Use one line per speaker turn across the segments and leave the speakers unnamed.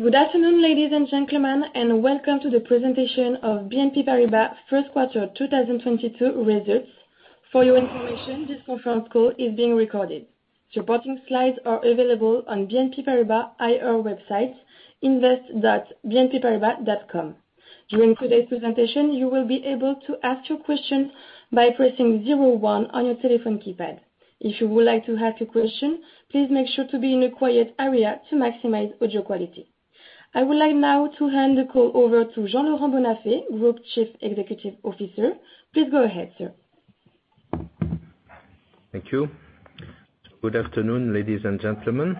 Good afternoon, ladies and gentlemen, and welcome to the presentation of BNP Paribas first quarter 2022 results. For your information, this conference call is being recorded. Supporting slides are available on BNP Paribas IR website, invest.bnpparibas.com. During today's presentation, you will be able to ask your question by pressing zero one on your telephone keypad. If you would like to ask a question, please make sure to be in a quiet area to maximize audio quality. I would like now to hand the call over to Jean-Laurent Bonnafé, Group Chief Executive Officer. Please go ahead, sir.
Thank you. Good afternoon, ladies and gentlemen.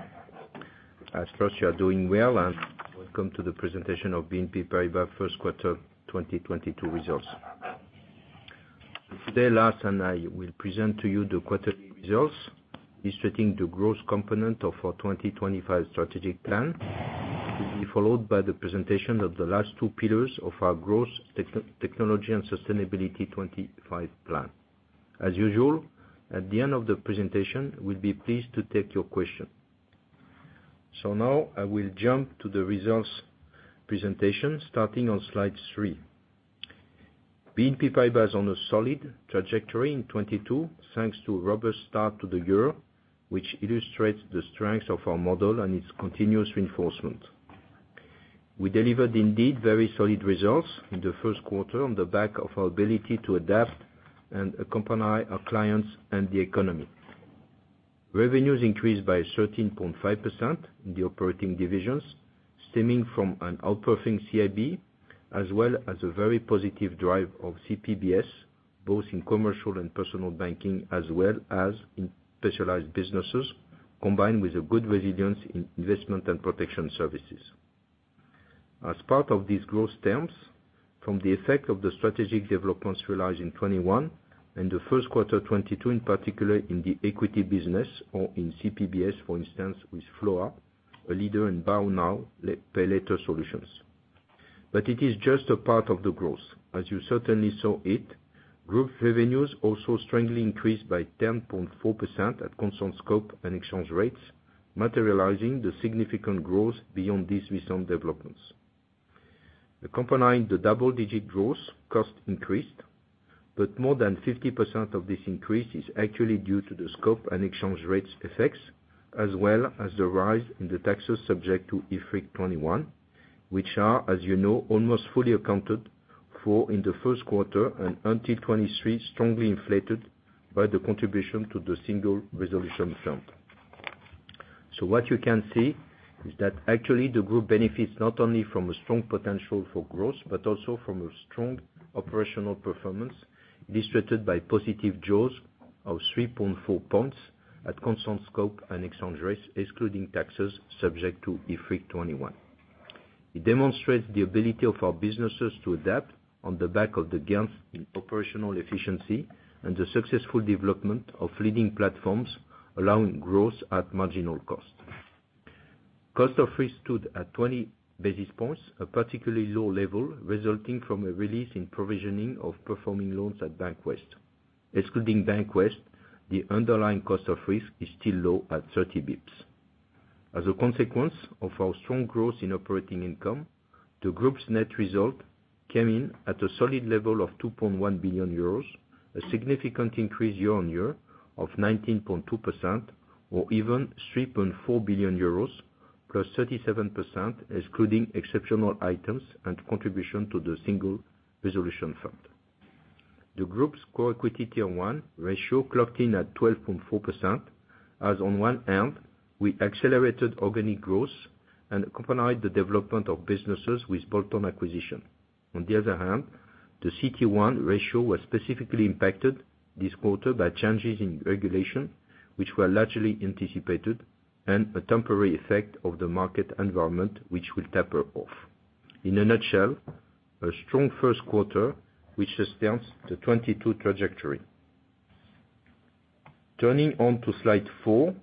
I trust you are doing well, and welcome to the presentation of BNP Paribas first quarter 2022 results. Today, Lars and I will present to you the quarterly results illustrating the growth component of our 2025 strategic plan, to be followed by the presentation of the last two pillars of our growth technology and sustainability 2025 plan. As usual, at the end of the presentation, we'll be pleased to take your question. Now I will jump to the results presentation starting on slide three. BNP Paribas is on a solid trajectory in 2022, thanks to a robust start to the year, which illustrates the strength of our model and its continuous reinforcement. We delivered indeed very solid results in the first quarter on the back of our ability to adapt and accompany our clients and the economy. Revenues increased by 13.5% in the operating divisions, stemming from an outperforming CIB, as well as a very positive drive of CPBS, both in commercial and personal banking, as well as in specialized businesses, combined with a good resilience in investment and protection services. As part of these growth terms, from the effect of the strategic developments realized in 2021 and the first quarter 2022, in particular in the equity business or in CPBS, for instance, with Floa, a leader in buy now, pay later solutions. It is just a part of the growth. As you certainly saw it, group revenues also strongly increased by 10.4% at constant scope and exchange rates, materializing the significant growth beyond these recent developments. Accompanying the double-digit growth, cost increased, but more than 50% of this increase is actually due to the scope and exchange rates effects, as well as the rise in the taxes subject to IFRIC 2021, which are, as you know, almost fully accounted for in the first quarter and until 2023, strongly inflated by the contribution to the Single Resolution Fund. What you can see is that actually the group benefits not only from a strong potential for growth, but also from a strong operational performance illustrated by positive jaws of 3.4 points at constant scope and exchange rates, excluding taxes subject to IFRIC 2021. It demonstrates the ability of our businesses to adapt on the back of the gains in operational efficiency and the successful development of leading platforms allowing growth at marginal cost. Cost of risk stood at 20 basis points, a particularly low level resulting from a release in provisioning of performing loans at Bank of the West. Excluding Bank of the West, the underlying cost of risk is still low at 30 basis points. As a consequence of our strong growth in operating income, the group's net result came in at a solid level of 2.1 billion euros, a significant increase year-on-year of 19.2% or even 3.4 billion euros, +37% excluding exceptional items and contribution to the Single Resolution Fund. The group's core equity tier one ratio clocked in at 12.4%, as on one hand, we accelerated organic growth and accompanied the development of businesses with bolt-on acquisition. On the other hand, the CET1 ratio was specifically impacted this quarter by changes in regulation, which were largely anticipated, and a temporary effect of the market environment, which will taper off. In a nutshell, a strong first quarter which sustains the 2022 trajectory. Turning to slide four,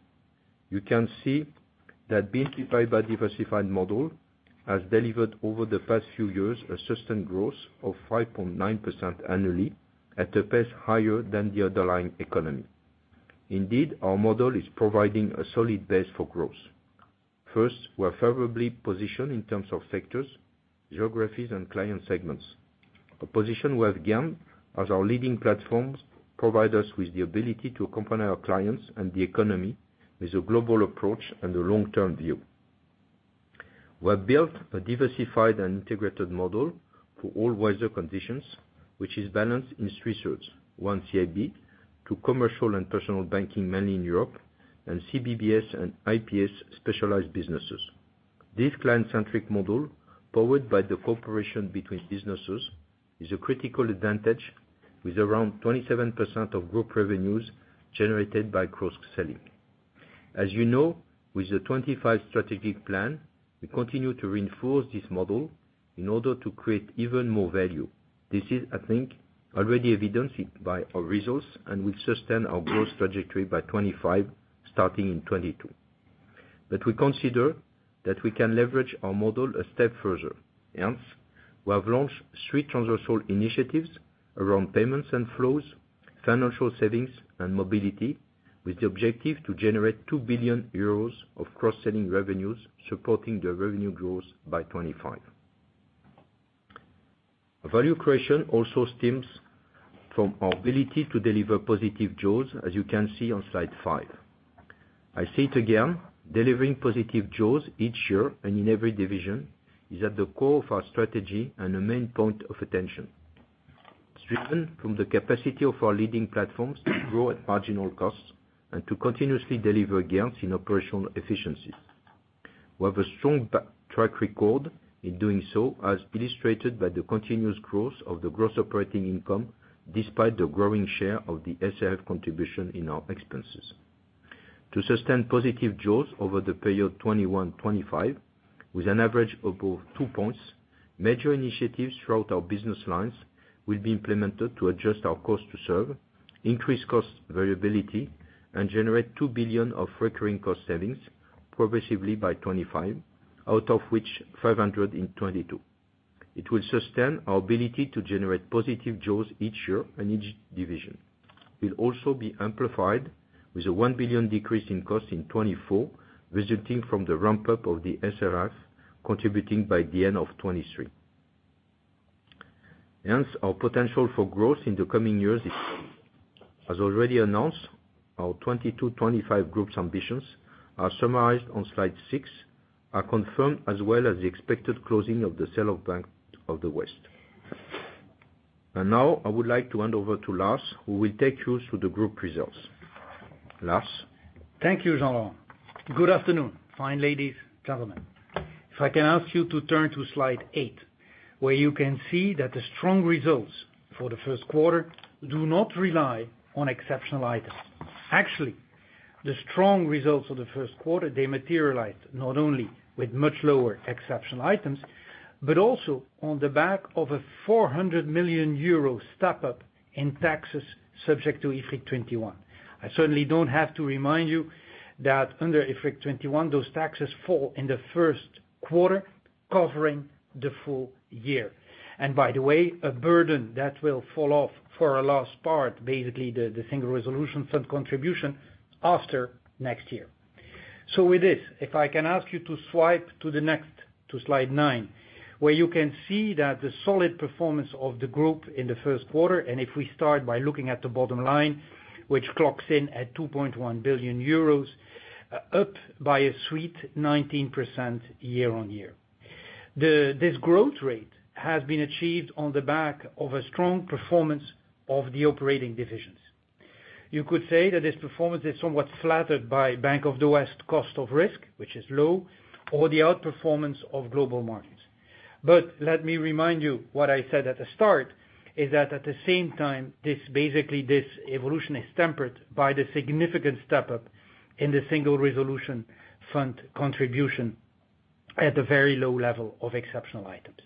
you can see that BNP Paribas' diversified model has delivered over the past few years a sustained growth of 5.9% annually at a pace higher than the underlying economy. Indeed, our model is providing a solid base for growth. First, we are favorably positioned in terms of sectors, geographies, and client segments, a position we have gained as our leading platforms provide us with the ability to accompany our clients and the economy with a global approach and a long-term view. We have built a diversified and integrated model for all weather conditions, which is balanced in three thirds: one-third CIB, two-thirds commercial and personal banking, mainly in Europe, and CPBS and IPS specialized businesses. This client-centric model, powered by the cooperation between businesses, is a critical advantage with around 27% of group revenues generated by cross-selling. As you know, with the 2025 strategic plan, we continue to reinforce this model in order to create even more value. This is, I think, already evidenced by our results and will sustain our growth trajectory by 2025, starting in 2022. We consider that we can leverage our model a step further. Hence, we have launched three transversal initiatives around payments and flows, financial savings, and mobility, with the objective to generate 2 billion euros of cross-selling revenues, supporting the revenue growth by 2025. Value creation also stems from our ability to deliver positive jaws, as you can see on slide five. I say it again, delivering positive jaws each year and in every division is at the core of our strategy and a main point of attention. It's driven from the capacity of our leading platforms to grow at marginal costs and to continuously deliver gains in operational efficiencies. We have a strong track record in doing so, as illustrated by the continuous growth of the gross operating income, despite the growing share of the Single Resolution Fund contribution in our expenses. To sustain positive jaws over the period 2021-2025, with an average above 2%, major initiatives throughout our business lines will be implemented to adjust our cost to serve, increase cost variability, and generate 2 billion of recurring cost savings progressively by 2025, out of which 500 million in 2022. It will sustain our ability to generate positive jaws each year in each division, will also be amplified with a 1 billion decrease in cost in 2024, resulting from the ramp-up of the SRF, contributing by the end of 2023. Hence, our potential for growth in the coming years is. As already announced, our 2022-2025 group's ambitions are summarized on slide six, are confirmed as well as the expected closing of the sale of Bank of the West. Now I would like to hand over to Lars Machenil, who will take you through the group results. Lars?
Thank you, Jean-Laurent. Good afternoon, ladies and gentlemen. If I can ask you to turn to slide eight, where you can see that the strong results for the first quarter do not rely on exceptional items. Actually, the strong results for the first quarter, they materialize not only with much lower exceptional items, but also on the back of a 400 million euro step-up in taxes subject to IFRIC 2021. I certainly don't have to remind you that under IFRIC 2021, those taxes fall in the first quarter, covering the full year. By the way, a burden that will fall off for the latter part, basically the Single Resolution Fund contribution after next year. With this, if I can ask you to swipe to the next, to slide nine, where you can see that the solid performance of the group in the first quarter, and if we start by looking at the bottom line, which clocks in at 2.1 billion euros, up by a steep 19% year-on-year. This growth rate has been achieved on the back of a strong performance of the operating divisions. You could say that this performance is somewhat flattered by Bank of the West cost of risk, which is low, or the outperformance of global markets. Let me remind you what I said at the start, is that at the same time, basically this evolution is tempered by the significant step-up in the Single Resolution Fund contribution and the very low level of exceptional items.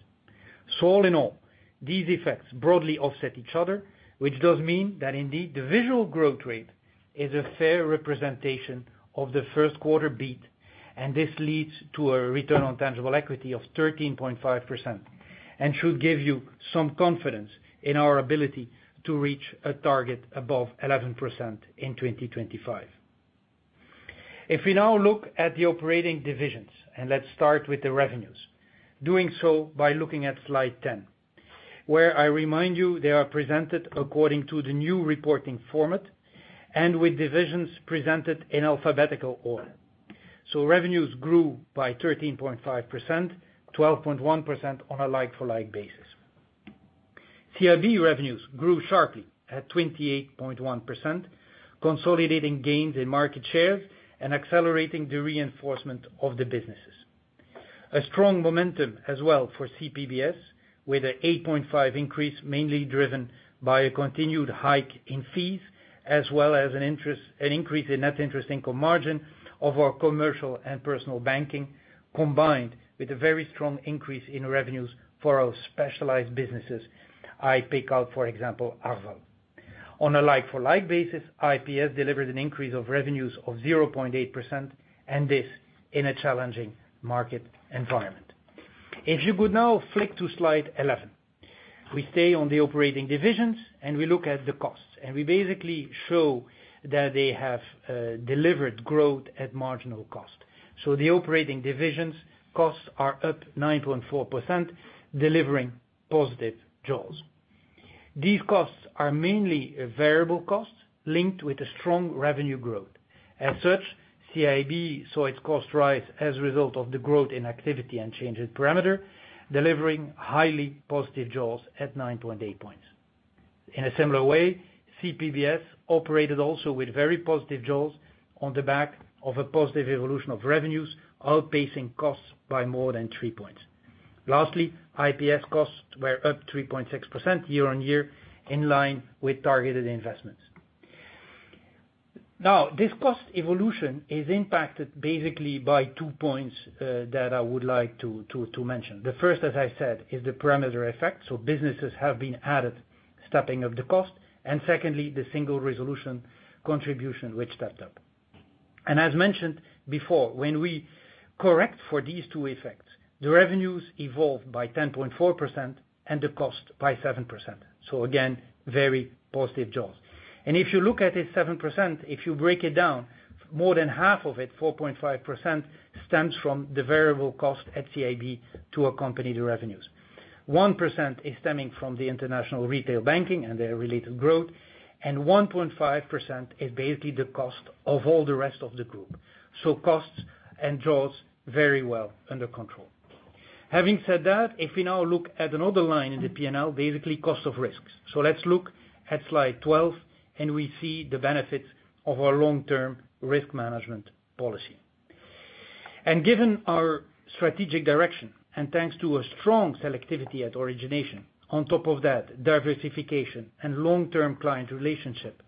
All in all, these effects broadly offset each other, which does mean that indeed the visual growth rate is a fair representation of the first quarter beat, and this leads to a return on tangible equity of 13.5%, and should give you some confidence in our ability to reach a target above 11% in 2025. If we now look at the operating divisions, and let's start with the revenues, doing so by looking at slide 10, where I remind you they are presented according to the new reporting format and with divisions presented in alphabetical order. Revenues grew by 13.5%, 12.1% on a like-for-like basis. CIB revenues grew sharply at 28.1%, consolidating gains in market shares and accelerating the reinforcement of the businesses. A strong momentum as well for CPBS, with an 8.5% increase, mainly driven by a continued hike in fees, as well as an interest, an increase in net interest income margin of our commercial and personal banking, combined with a very strong increase in revenues for our specialized businesses. I pick out, for example, Arval. On a like-for-like basis, IPS delivered an increase of revenues of 0.8%, and this in a challenging market environment. If you could now flick to slide 11. We stay on the operating divisions, and we look at the costs. We basically show that they have delivered growth at marginal cost. The operating divisions costs are up 9.4%, delivering positive jaws. These costs are mainly variable costs linked with a strong revenue growth. As such, CIB saw its cost rise as a result of the growth in activity and change in parameter, delivering highly positive jaws at 9.8 points. In a similar way, CPBS operated also with very positive jaws on the back of a positive evolution of revenues, outpacing costs by more than three points. Lastly, IPS costs were up 3.6% year-on-year, in line with targeted investments. Now, this cost evolution is impacted basically by two points that I would like to mention. The first, as I said, is the parameter effect, so businesses have been added, stepping up the cost. Secondly, the Single Resolution Fund contribution, which stepped up. As mentioned before, when we correct for these two effects, the revenues evolve by 10.4% and the cost by 7%. Again, very positive jaws. If you look at this 7%, if you break it down, more than half of it, 4.5%, stems from the variable cost at CIB to accompany the revenues. 1% is stemming from the international retail banking and their related growth, and 1.5% is basically the cost of all the rest of the group. Costs and jaws very well under control. Having said that, if we now look at another line in the P&L, basically cost of risk. Let's look at slide 12, and we see the benefits of our long-term risk management policy. Given our strategic direction, and thanks to a strong selectivity at origination, on top of that, diversification and long-term client relationship,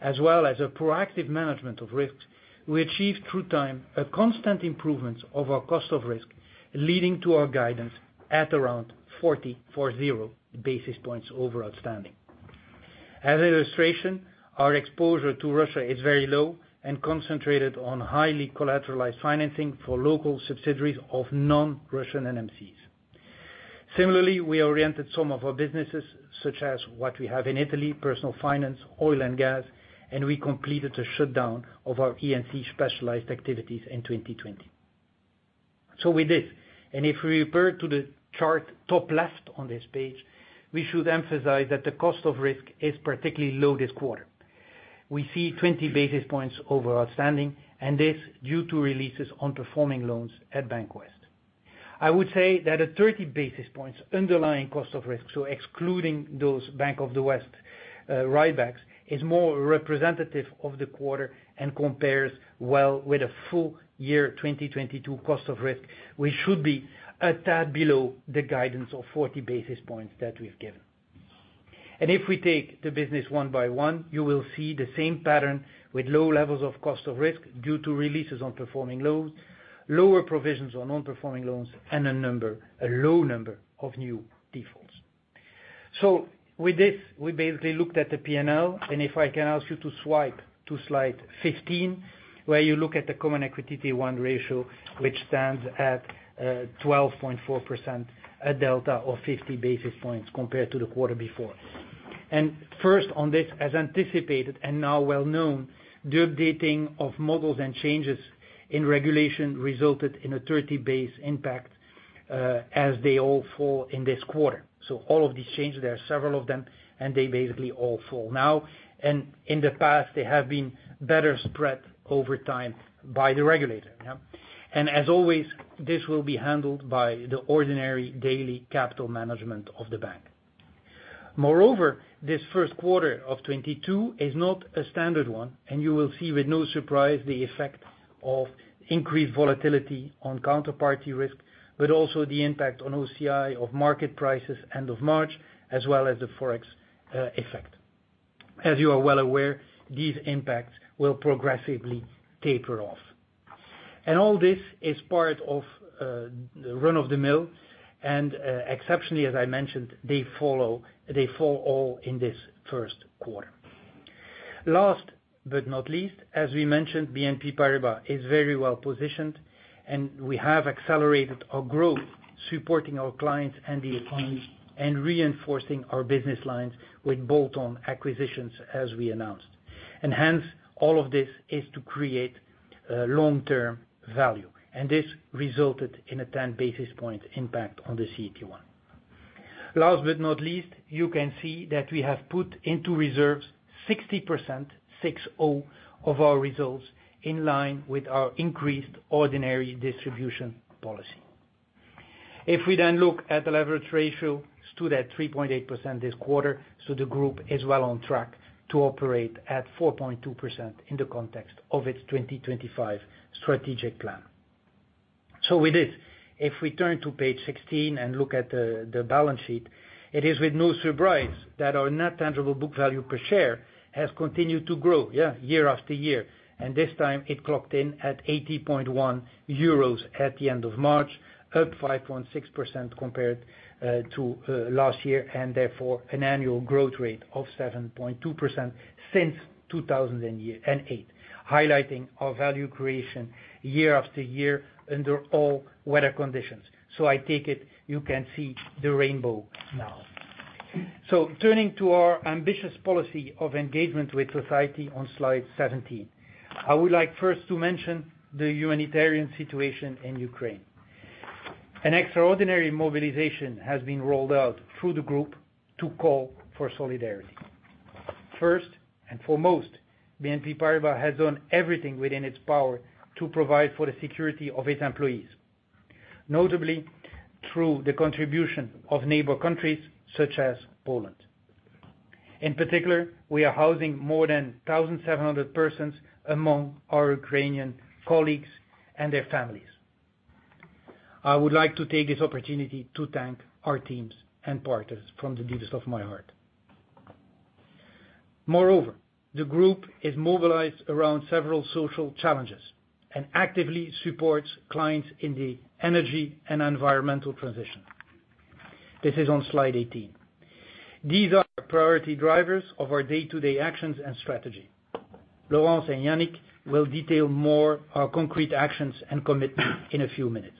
as well as a proactive management of risks, we achieved over time a constant improvement of our cost of risk, leading to our guidance at around 40 basis points over outstanding. As an illustration, our exposure to Russia is very low and concentrated on highly collateralized financing for local subsidiaries of non-Russian MNCs. Similarly, we oriented some of our businesses, such as what we have in Italy, personal finance, oil and gas, and we completed a shutdown of our E&C specialized activities in 2020. We did. If we refer to the chart top left on this page, we should emphasize that the cost of risk is particularly low this quarter. We see 20 basis points over outstanding, and this due to releases on performing loans at Bank of the West. I would say that at 30 basis points underlying cost of risk, so excluding those Bank of the West write-backs, is more representative of the quarter and compares well with the full year 2022 cost of risk, which should be a tad below the guidance of 40 basis points that we've given. If we take the business one by one, you will see the same pattern with low levels of cost of risk due to releases on performing loans, lower provisions on non-performing loans, and a number, a low number of new defaults. With this, we basically looked at the P&L, and if I can ask you to swipe to slide 15, where you look at the common equity tier one ratio, which stands at 12.4%, a delta of 50 basis points compared to the quarter before. First on this, as anticipated and now well-known, the updating of models and changes in regulation resulted in a 30 basis points impact, as they all fall in this quarter. All of these changes, there are several of them, and they basically all fall now. In the past, they have been better spread over time by the regulator, yeah. As always, this will be handled by the ordinary daily capital management of the bank. Moreover, this first quarter of 2022 is not a standard one, and you will see with no surprise the effect of increased volatility on counterparty risk, but also the impact on OCI of market prices end of March, as well as the Forex effect. As you are well aware, these impacts will progressively taper off. All this is part of the run-of-the-mill, and exceptionally, as I mentioned, they fall all in this first quarter. Last but not least, as we mentioned, BNP Paribas is very well-positioned, and we have accelerated our growth supporting our clients and the economy and reinforcing our business lines with bolt-on acquisitions as we announced. Hence, all of this is to create long-term value, and this resulted in a 10-basis-point impact on the CET1. Last but not least, you can see that we have put into reserves 60%, 60, of our results in line with our increased ordinary distribution policy. If we then look at the leverage ratio, stood at 3.8% this quarter, so the group is well on track to operate at 4.2% in the context of its 2025 strategic plan. With this, if we turn to page 16 and look at the balance sheet, it is with no surprise that our net tangible book value per share has continued to grow, yeah, year after year. This time it clocked in at 80.1 euros at the end of March, up 5.6% compared to last year, and therefore an annual growth rate of 7.2% since 2008, highlighting our value creation year after year under all weather conditions. I take it you can see the rainbow now. Turning to our ambitious policy of engagement with society on slide 17. I would like first to mention the humanitarian situation in Ukraine. An extraordinary mobilization has been rolled out through the group to call for solidarity. First and foremost, BNP Paribas has done everything within its power to provide for the security of its employees, notably through the contribution of neighbor countries such as Poland. In particular, we are housing more than 1,700 persons among our Ukrainian colleagues and their families. I would like to take this opportunity to thank our teams and partners from the deepest of my heart. Moreover, the group is mobilized around several social challenges and actively supports clients in the energy and environmental transition. This is on slide 18. These are priority drivers of our day-to-day actions and strategy. Laurence and Yannick will detail more our concrete actions and commitment in a few minutes.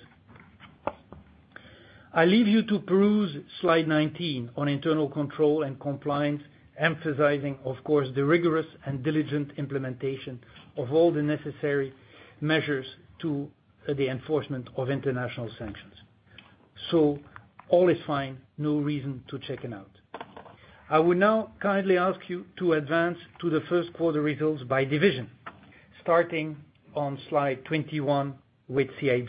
I leave you to peruse slide 19 on internal control and compliance, emphasizing, of course, the rigorous and diligent implementation of all the necessary measures to the enforcement of international sanctions. All is fine, no reason to check it out. I will now kindly ask you to advance to the first quarter results by division, starting on slide 21 with CIB,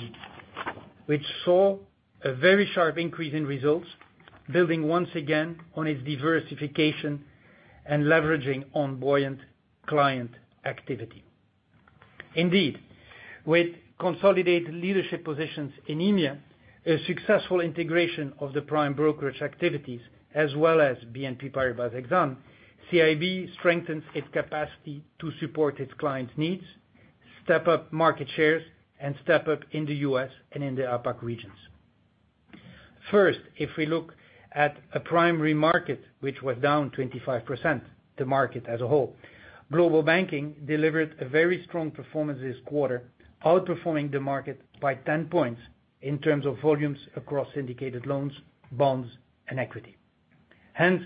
which saw a very sharp increase in results, building once again on its diversification and leveraging on buoyant client activity. Indeed, with consolidated leadership positions in EMEA, a successful integration of the prime brokerage activities as well as BNP Paribas Exane, CIB strengthens its capacity to support its clients' needs, step up market shares, and step up in the U.S. and in the APAC regions. First, if we look at a primary market, which was down 25%, the market as a whole, global banking delivered a very strong performance this quarter, outperforming the market by 10 points in terms of volumes across syndicated loans, bonds, and equity. Hence,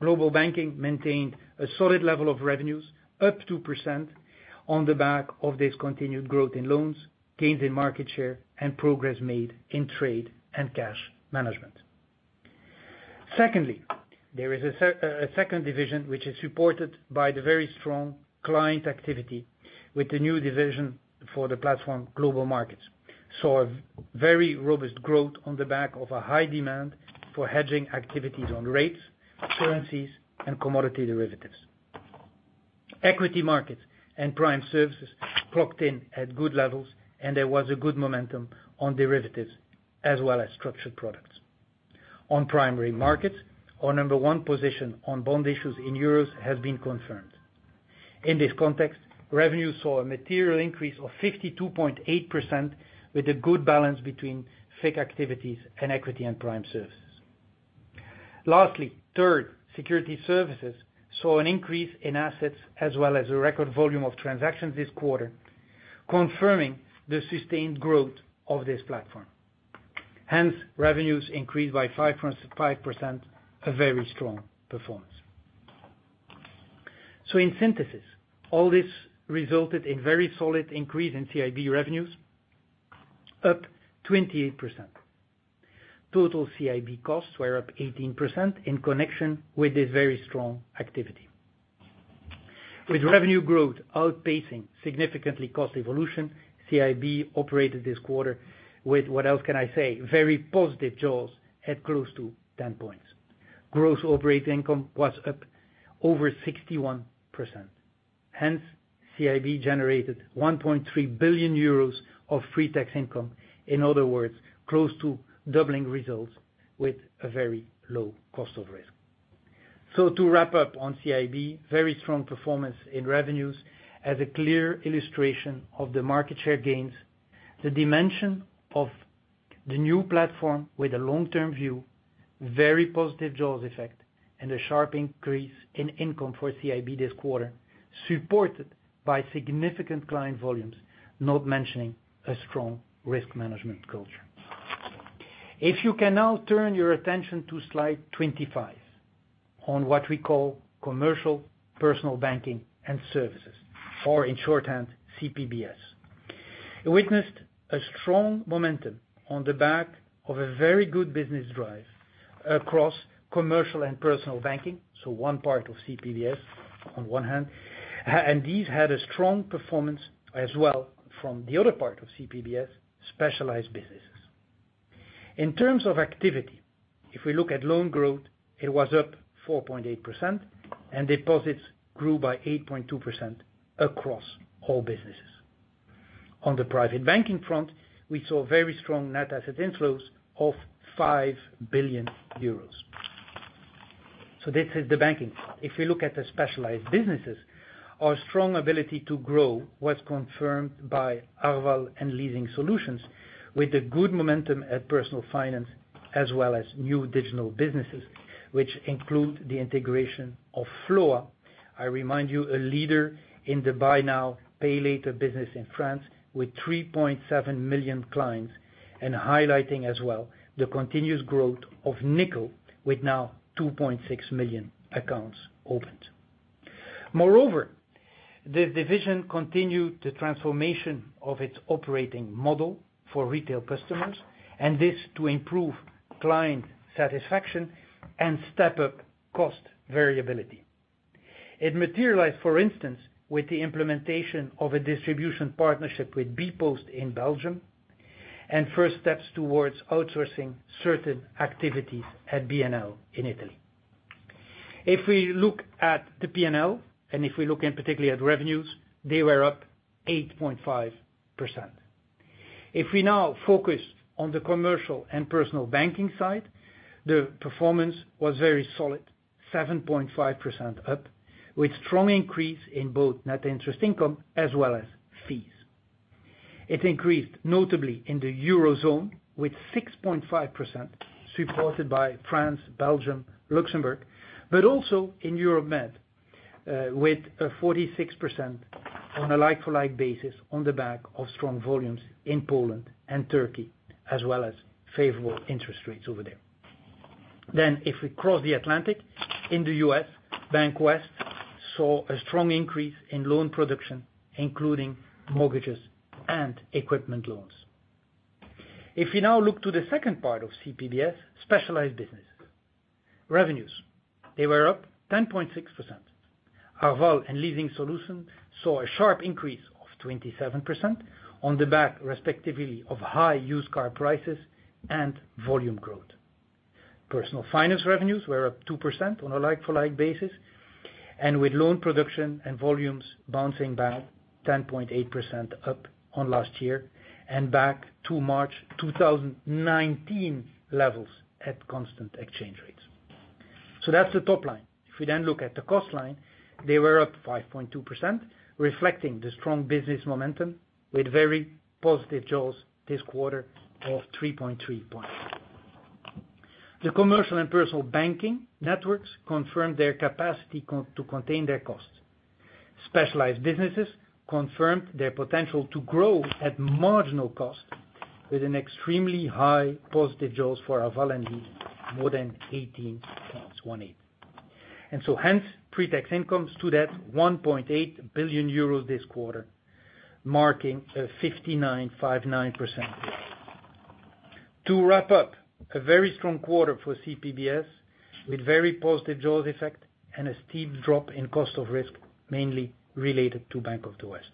global banking maintained a solid level of revenues up 2% on the back of this continued growth in loans, gains in market share, and progress made in trade and cash management. Secondly, there is a second division which is supported by the very strong client activity with the new division for the platform global markets. Saw a very robust growth on the back of a high demand for hedging activities on rates, currencies, and commodity derivatives. Equity markets and prime services clocked in at good levels, and there was a good momentum on derivatives as well as structured products. On primary markets, our number one position on bond issues in euros has been confirmed. In this context, revenue saw a material increase of 52.8% with a good balance between FICC activities and equity and prime services. Lastly, third, security services saw an increase in assets as well as a record volume of transactions this quarter, confirming the sustained growth of this platform. Hence, revenues increased by 5.5%, a very strong performance. In synthesis, all this resulted in very solid increase in CIB revenues, up 28%. Total CIB costs were up 18% in connection with this very strong activity. With revenue growth outpacing significantly cost evolution, CIB operated this quarter with, what else can I say, very positive jaws at close to 10 points. Gross operating income was up over 61%. Hence, CIB generated 1.3 billion euros of pre-tax income, in other words, close to doubling results with a very low cost of risk. To wrap up on CIB, very strong performance in revenues as a clear illustration of the market share gains, the dimension of the new platform with a long-term view, very positive jaws effect, and a sharp increase in income for CIB this quarter, supported by significant client volumes, not mentioning a strong risk management culture. If you can now turn your attention to slide 25 on what we call commercial personal banking and services, or in shorthand, CPBS. It witnessed a strong momentum on the back of a very good business drive across commercial and personal banking, so one part of CPBS on one hand, and these had a strong performance as well from the other part of CPBS, specialized businesses. In terms of activity, if we look at loan growth, it was up 4.8%, and deposits grew by 8.2% across all businesses. On the private banking front, we saw very strong net asset inflows of 5 billion euros. This is the banking part. If we look at the specialized businesses, our strong ability to grow was confirmed by Arval and Leasing Solutions with the good momentum at Personal Finance as well as new digital businesses, which include the integration of Floa. I remind you, a leader in the buy now, pay later business in France with 3.7 million clients. Highlighting as well the continuous growth of Nickel with now 2.6 million accounts opened. Moreover, the division continued the transformation of its operating model for retail customers, and this to improve client satisfaction and step up cost variability. It materialized, for instance, with the implementation of a distribution partnership with bpost in Belgium and first steps towards outsourcing certain activities at BNL in Italy. If we look at the P&L, and if we look in particularly at revenues, they were up 8.5%. If we now focus on the commercial and personal banking side, the performance was very solid, 7.5% up, with strong increase in both net interest income as well as fees. It increased notably in the Eurozone with 6.5%, supported by France, Belgium, Luxembourg, but also in Europe Med with a 46% on a like-for-like basis on the back of strong volumes in Poland and Turkey, as well as favorable interest rates over there. If we cross the Atlantic, in the U.S., Bank of the West saw a strong increase in loan production, including mortgages and equipment loans. If you now look to the second part of CPBS specialized businesses. Revenues, they were up 10.6%. Arval and Leasing Solutions saw a sharp increase of 27% on the back respectively of high used car prices and volume growth. Personal Finance revenues were up 2% on a like-for-like basis, and with loan production and volumes bouncing back 10.8% up on last year and back to March 2019 levels at constant exchange rates. That's the top line. If we then look at the cost line, they were up 5.2%, reflecting the strong business momentum with very positive jaws this quarter of 3.3 points. The commercial and personal banking networks confirmed their capacity to contain their costs. Specialized businesses confirmed their potential to grow at marginal cost with an extremely high positive jaws for Arval and Leasing Solutions, more than 18 points. Hence, pre-tax income stood at 1.8 billion euros this quarter, marking a 59.59%. To wrap up, a very strong quarter for CPBS with very positive jaws effect and a steep drop in cost of risk, mainly related to Bank of the West.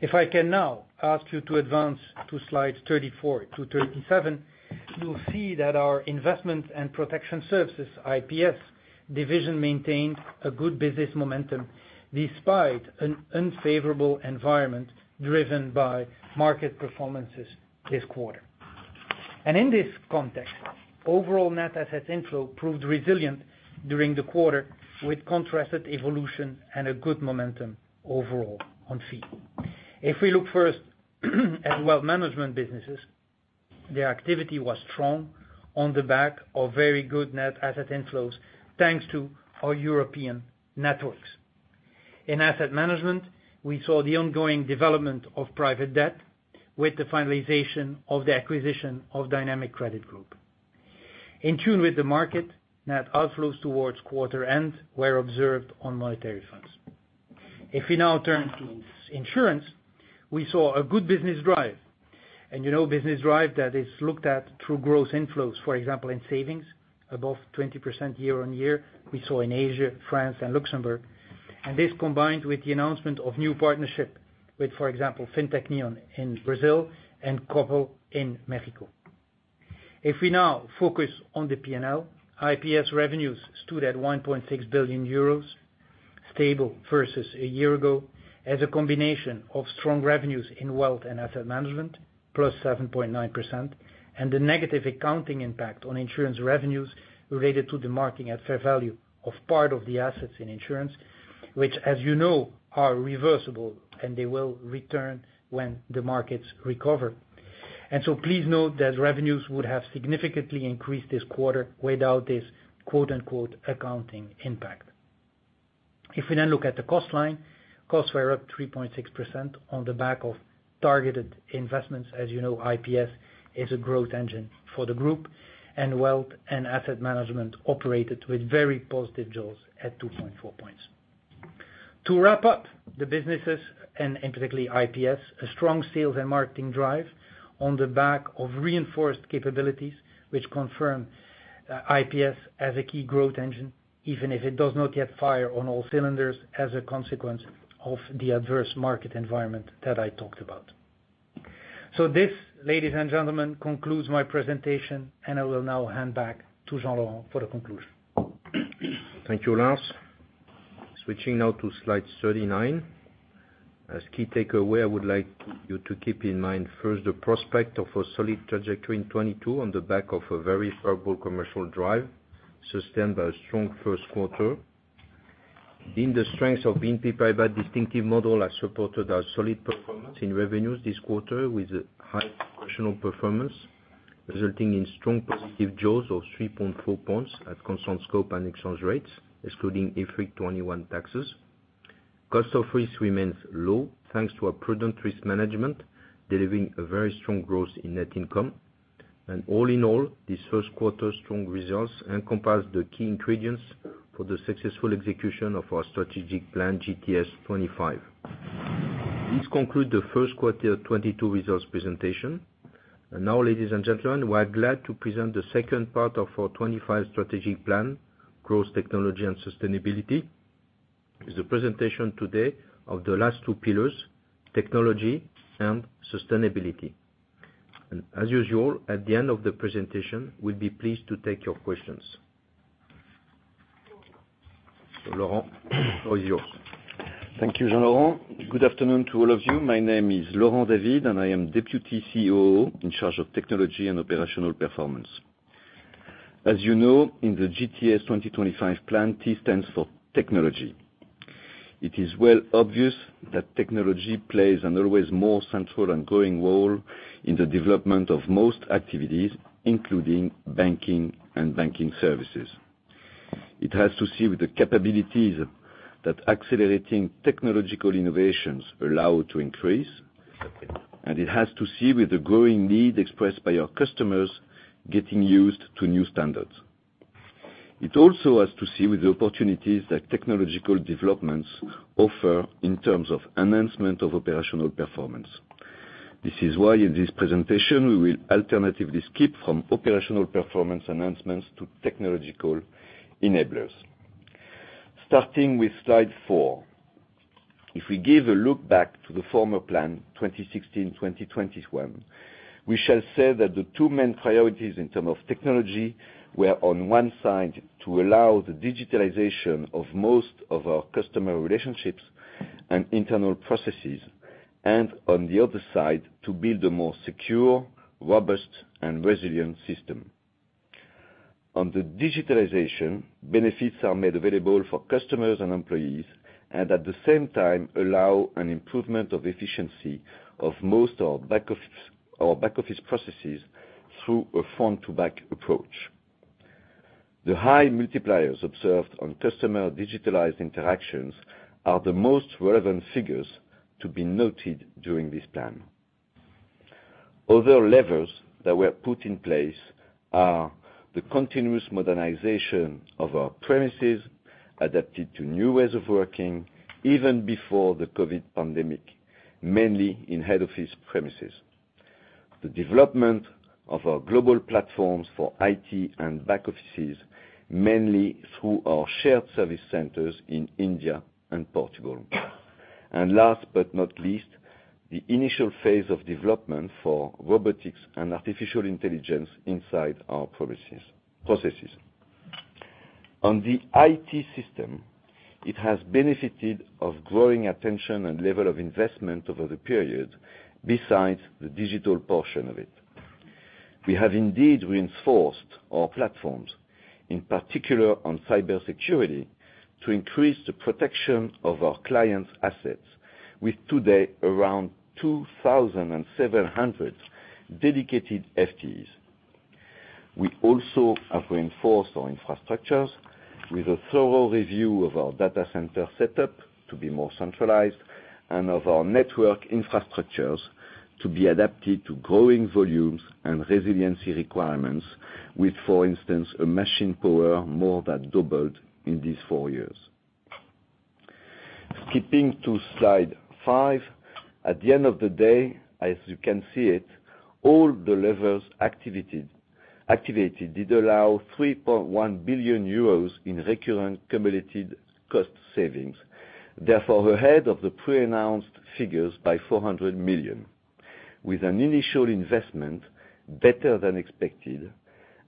If I can now ask you to advance to slide 34-37, you'll see that our investment and protection services, IPS division, maintained a good business momentum despite an unfavorable environment driven by market performances this quarter. In this context, overall net asset inflow proved resilient during the quarter with contrasted evolution and a good momentum overall on fee. If we look first at wealth management businesses, the activity was strong on the back of very good net asset inflows, thanks to our European networks. In asset management, we saw the ongoing development of private debt with the finalization of the acquisition of Dynamic Credit Group. In tune with the market, net outflows towards quarter end were observed on monetary funds. If we now turn to insurance, we saw a good business drive. You know, business drive that is looked at through gross inflows, for example, in savings above 20% year-over-year, we saw in Asia, France and Luxembourg, and this combined with the announcement of new partnership with, for example, Neon in Brazil and Kubo in Mexico. If we now focus on the P&L, IPS revenues stood at 1.6 billion euros, stable versus a year ago, as a combination of strong revenues in wealth and asset management, +7.9%, and the negative accounting impact on insurance revenues related to the marketing at fair value of part of the assets in insurance, which as you know, are reversible, and they will return when the markets recover. Please note that revenues would have significantly increased this quarter without this quote unquote accounting impact. If we now look at the cost line, costs were up 3.6% on the back of targeted investments. As you know, IPS is a growth engine for the group, and wealth and asset management operated with very positive jaws at 2.4 points. To wrap up the businesses and particularly IPS, a strong sales and marketing drive on the back of reinforced capabilities, which confirm IPS as a key growth engine, even if it does not yet fire on all cylinders as a consequence of the adverse market environment that I talked about. This, ladies and gentlemen, concludes my presentation, and I will now hand back to Jean-Laurent for the conclusion.
Thank you, Lars. Switching now to slide 39. As key takeaway, I would like you to keep in mind first the prospect of a solid trajectory in 2022 on the back of a very favorable commercial drive, sustained by a strong first quarter. The strengths of BNP Paribas distinctive model has supported our solid performance in revenues this quarter with high professional performance, resulting in strong positive jaws of 3.4 points at constant scope and exchange rates, excluding IFRIC 2021 taxes. Cost of risk remains low, thanks to our prudent risk management, delivering a very strong growth in net income. All in all, this first quarter strong results encompass the key ingredients for the successful execution of our strategic plan GTS 2025. This conclude the first quarter 2022 results presentation. Now, ladies and gentlemen, we're glad to present the second part of our 25 strategic plan, Growth, Technology and Sustainability, is the presentation today of the last two pillars, technology and sustainability. As usual, at the end of the presentation, we'll be pleased to take your questions. Laurent, all yours.
Thank you, Jean-Laurent. Good afternoon to all of you. My name is Laurent David, and I am Deputy COO in charge of technology and operational performance. As you know, in the GTS 2025 plan, T stands for technology. It is very obvious that technology plays an always more central and growing role in the development of most activities, including banking and banking services. It has to do with the capabilities that accelerating technological innovations allow to increase, and it has to do with the growing need expressed by our customers getting used to new standards. It also has to do with the opportunities that technological developments offer in terms of enhancement of operational performance. This is why, in this presentation, we will alternatively skip from operational performance announcements to technological enablers. Starting with slide four, if we give a look back to the former plan, 2016, 2021, we shall say that the two main priorities in terms of technology were, on one side, to allow the digitalization of most of our customer relationships and internal processes and, on the other side, to build a more secure, robust, and resilient system. On the digitalization, benefits are made available for customers and employees and, at the same time, allow an improvement of efficiency of most of our back-office processes through a front-to-back approach. The high multipliers observed on customer digitalized interactions are the most relevant figures to be noted during this plan. Other levers that were put in place are the continuous modernization of our premises, adapted to new ways of working even before the COVID pandemic, mainly in head office premises. The development of our global platforms for IT and back offices, mainly through our shared service centers in India and Portugal. Last but not least, the initial phase of development for robotics and artificial intelligence inside our processes. On the IT system, it has benefited from growing attention and level of investment over the period besides the digital portion of it. We have indeed reinforced our platforms, in particular on cybersecurity, to increase the protection of our clients' assets, with today around 2,700 dedicated FTEs. We also have reinforced our infrastructures with a thorough review of our data center setup to be more centralized and of our network infrastructures to be adapted to growing volumes and resiliency requirements with, for instance, a machine power more than doubled in these four years. Skipping to slide five, at the end of the day, as you can see it, all the levers activated did allow 3.1 billion euros in recurrent cumulated cost savings, therefore ahead of the pre-announced figures by 400 million, with an initial investment better than expected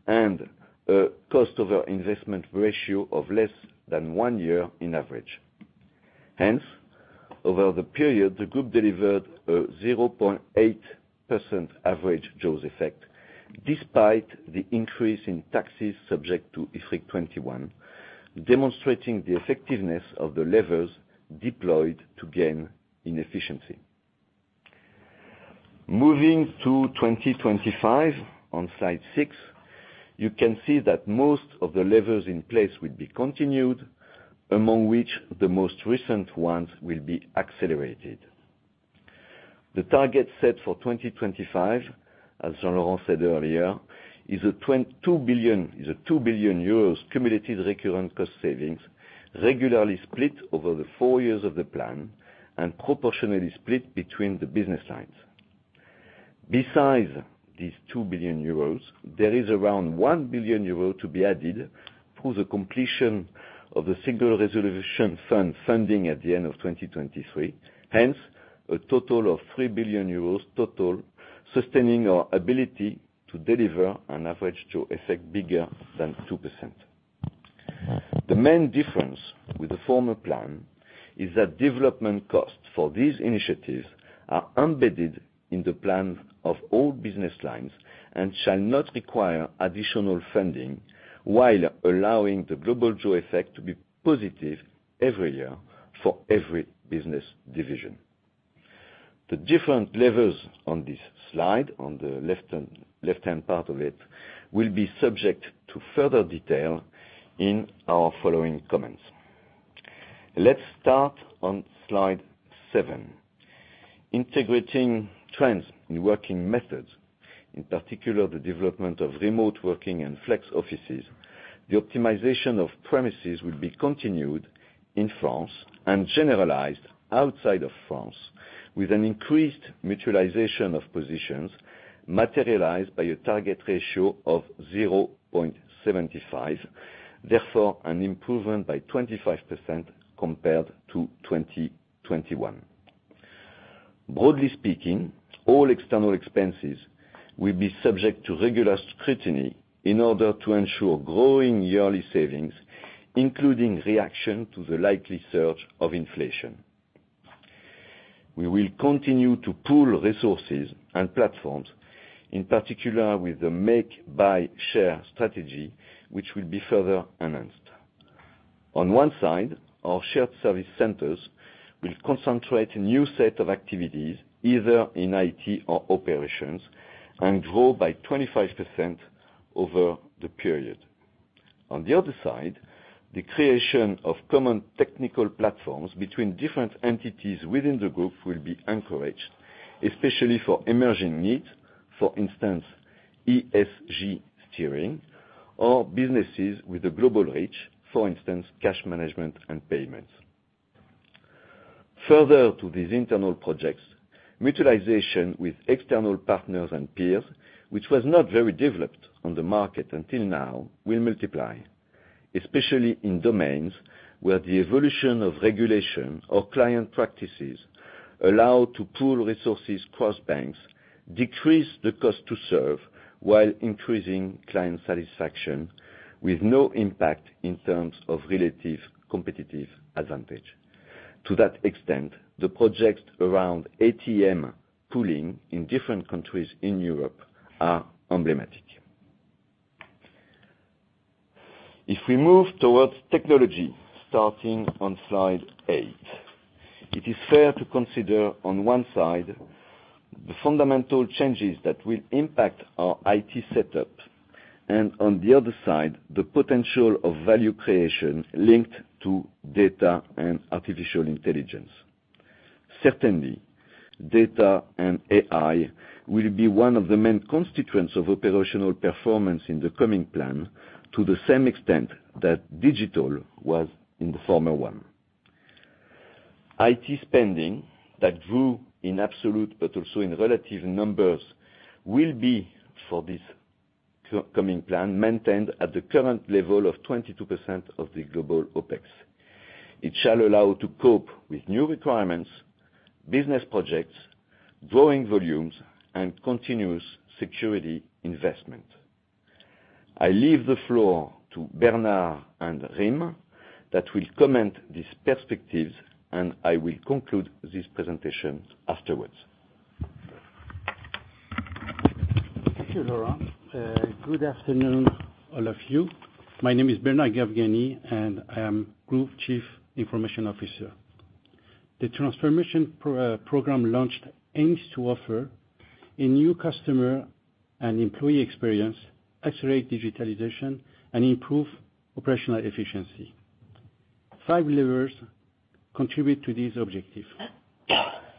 and a cost over investment ratio of less than one year in average. Hence, over the period, the group delivered a 0.8% average jaws effect, despite the increase in taxes subject to IFRIC 2021, demonstrating the effectiveness of the levers deployed to gain in efficiency. Moving to 2025, on slide six, you can see that most of the levers in place will be continued, among which the most recent ones will be accelerated. The target set for 2025, as Jean-Laurent said earlier, is a 2 billion euros cumulative recurrent cost savings regularly split over the four years of the plan and proportionally split between the business lines. Besides these 2 billion euros, there is around 1 billion euros to be added through the completion of the Single Resolution Fund funding at the end of 2023. Hence, a total of 3 billion euros total, sustaining our ability to deliver an average jaws effect bigger than 2%. The main difference with the former plan is that development costs for these initiatives are embedded in the plan of all business lines and shall not require additional funding, while allowing the global jaws effect to be positive every year for every business division. The different levers on this slide, on the left-hand part of it, will be subject to further detail in our following comments. Let's start on slide seven. Integrating trends in working methods, in particular the development of remote working and flex offices, the optimization of premises will be continued in France and generalized outside of France with an increased mutualization of positions materialized by a target ratio of 0.75, therefore an improvement by 25% compared to 2021. Broadly speaking, all external expenses will be subject to regular scrutiny in order to ensure growing yearly savings, including reaction to the likely surge of inflation. We will continue to pool resources and platforms, in particular with the make, buy, share strategy, which will be further enhanced. On one side, our shared service centers will concentrate a new set of activities, either in IT or operations, and grow by 25% over the period. On the other side, the creation of common technical platforms between different entities within the group will be encouraged, especially for emerging needs. For instance, ESG steering or businesses with a global reach, for instance, cash management and payments. Further to these internal projects, mutualization with external partners and peers, which was not very developed on the market until now, will multiply, especially in domains where the evolution of regulation or client practices allow to pool resources across banks, decrease the cost to serve while increasing client satisfaction with no impact in terms of relative competitive advantage. To that extent, the projects around ATM pooling in different countries in Europe are emblematic. If we move towards technology, starting on slide eight, it is fair to consider on one side the fundamental changes that will impact our IT setup, and on the other side, the potential of value creation linked to data and artificial intelligence. Certainly, data and AI will be one of the main constituents of operational performance in the coming plan to the same extent that digital was in the former one. IT spending that grew in absolute but also in relative numbers will be for this coming plan maintained at the current level of 22% of the global OpEx. It shall allow to cope with new requirements, business projects, growing volumes, and continuous security investment. I leave the floor to Bernard and Rim that will comment these perspectives, and I will conclude this presentation afterwards.
Thank you, Laurent. Good afternoon, all of you. My name is Bernard Gavgani, and I am Group Chief Information Officer. The transformation program launched aims to offer a new customer and employee experience, accelerate digitalization, and improve operational efficiency. Five levers contribute to this objective.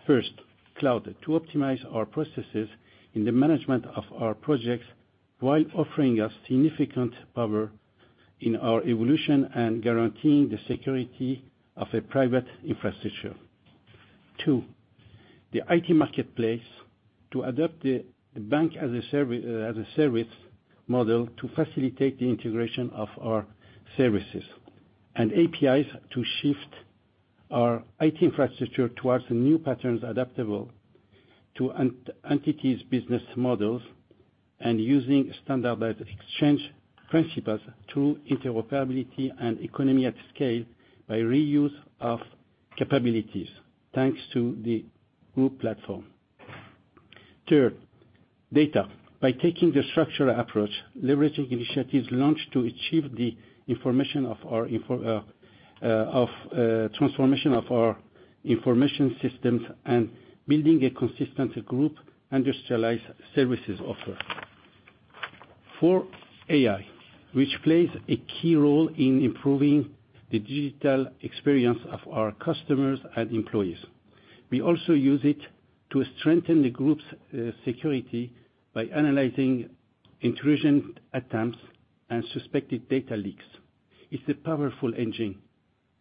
First, cloud. To optimize our processes in the management of our projects while offering us significant power in our evolution and guaranteeing the security of a private infrastructure. Two, the IT marketplace to adopt the bank as a service model to facilitate the integration of our services, and APIs to shift our IT infrastructure towards new patterns adaptable to entities' business models, and using standardized exchange principles through interoperability and economies of scale by reuse of capabilities, thanks to the group platform. Third, data. By taking the structural approach, leveraging initiatives launched to achieve the transformation of our information systems and building a consistent group industrialized services offer. Four, AI, which plays a key role in improving the digital experience of our customers and employees. We also use it to strengthen the group's security by analyzing intrusion attempts and suspected data leaks. It's a powerful engine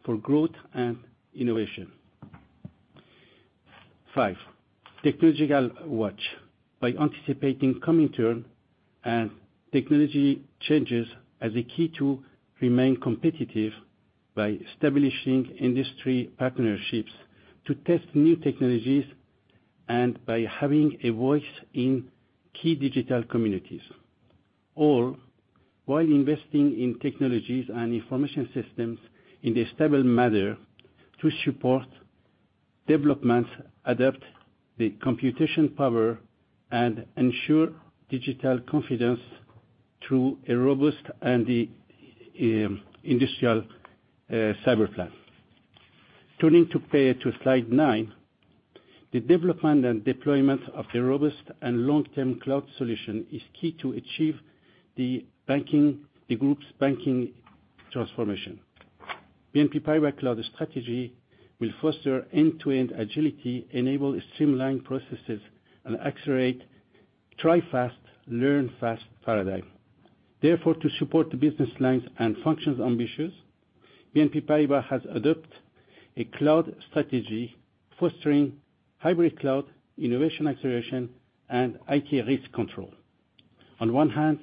for growth and innovation. Five, technological watch. By anticipating coming trends and technology changes as a key to remain competitive by establishing industry partnerships to test new technologies and by having a voice in key digital communities. All while investing in technologies and information systems in a stable manner to support development, adapt the computing power, and ensure digital confidence through a robust and industrial cyber plan. Turning to slide nine, the development and deployment of a robust and long-term cloud solution is key to achieve the group's banking transformation. BNP Paribas cloud strategy will foster end-to-end agility, enable streamlined processes, and accelerate try fast, learn fast paradigm. Therefore, to support the business lines and functions ambitions, BNP Paribas has adopted a cloud strategy fostering hybrid cloud, innovation acceleration, and IT risk control. On one hand,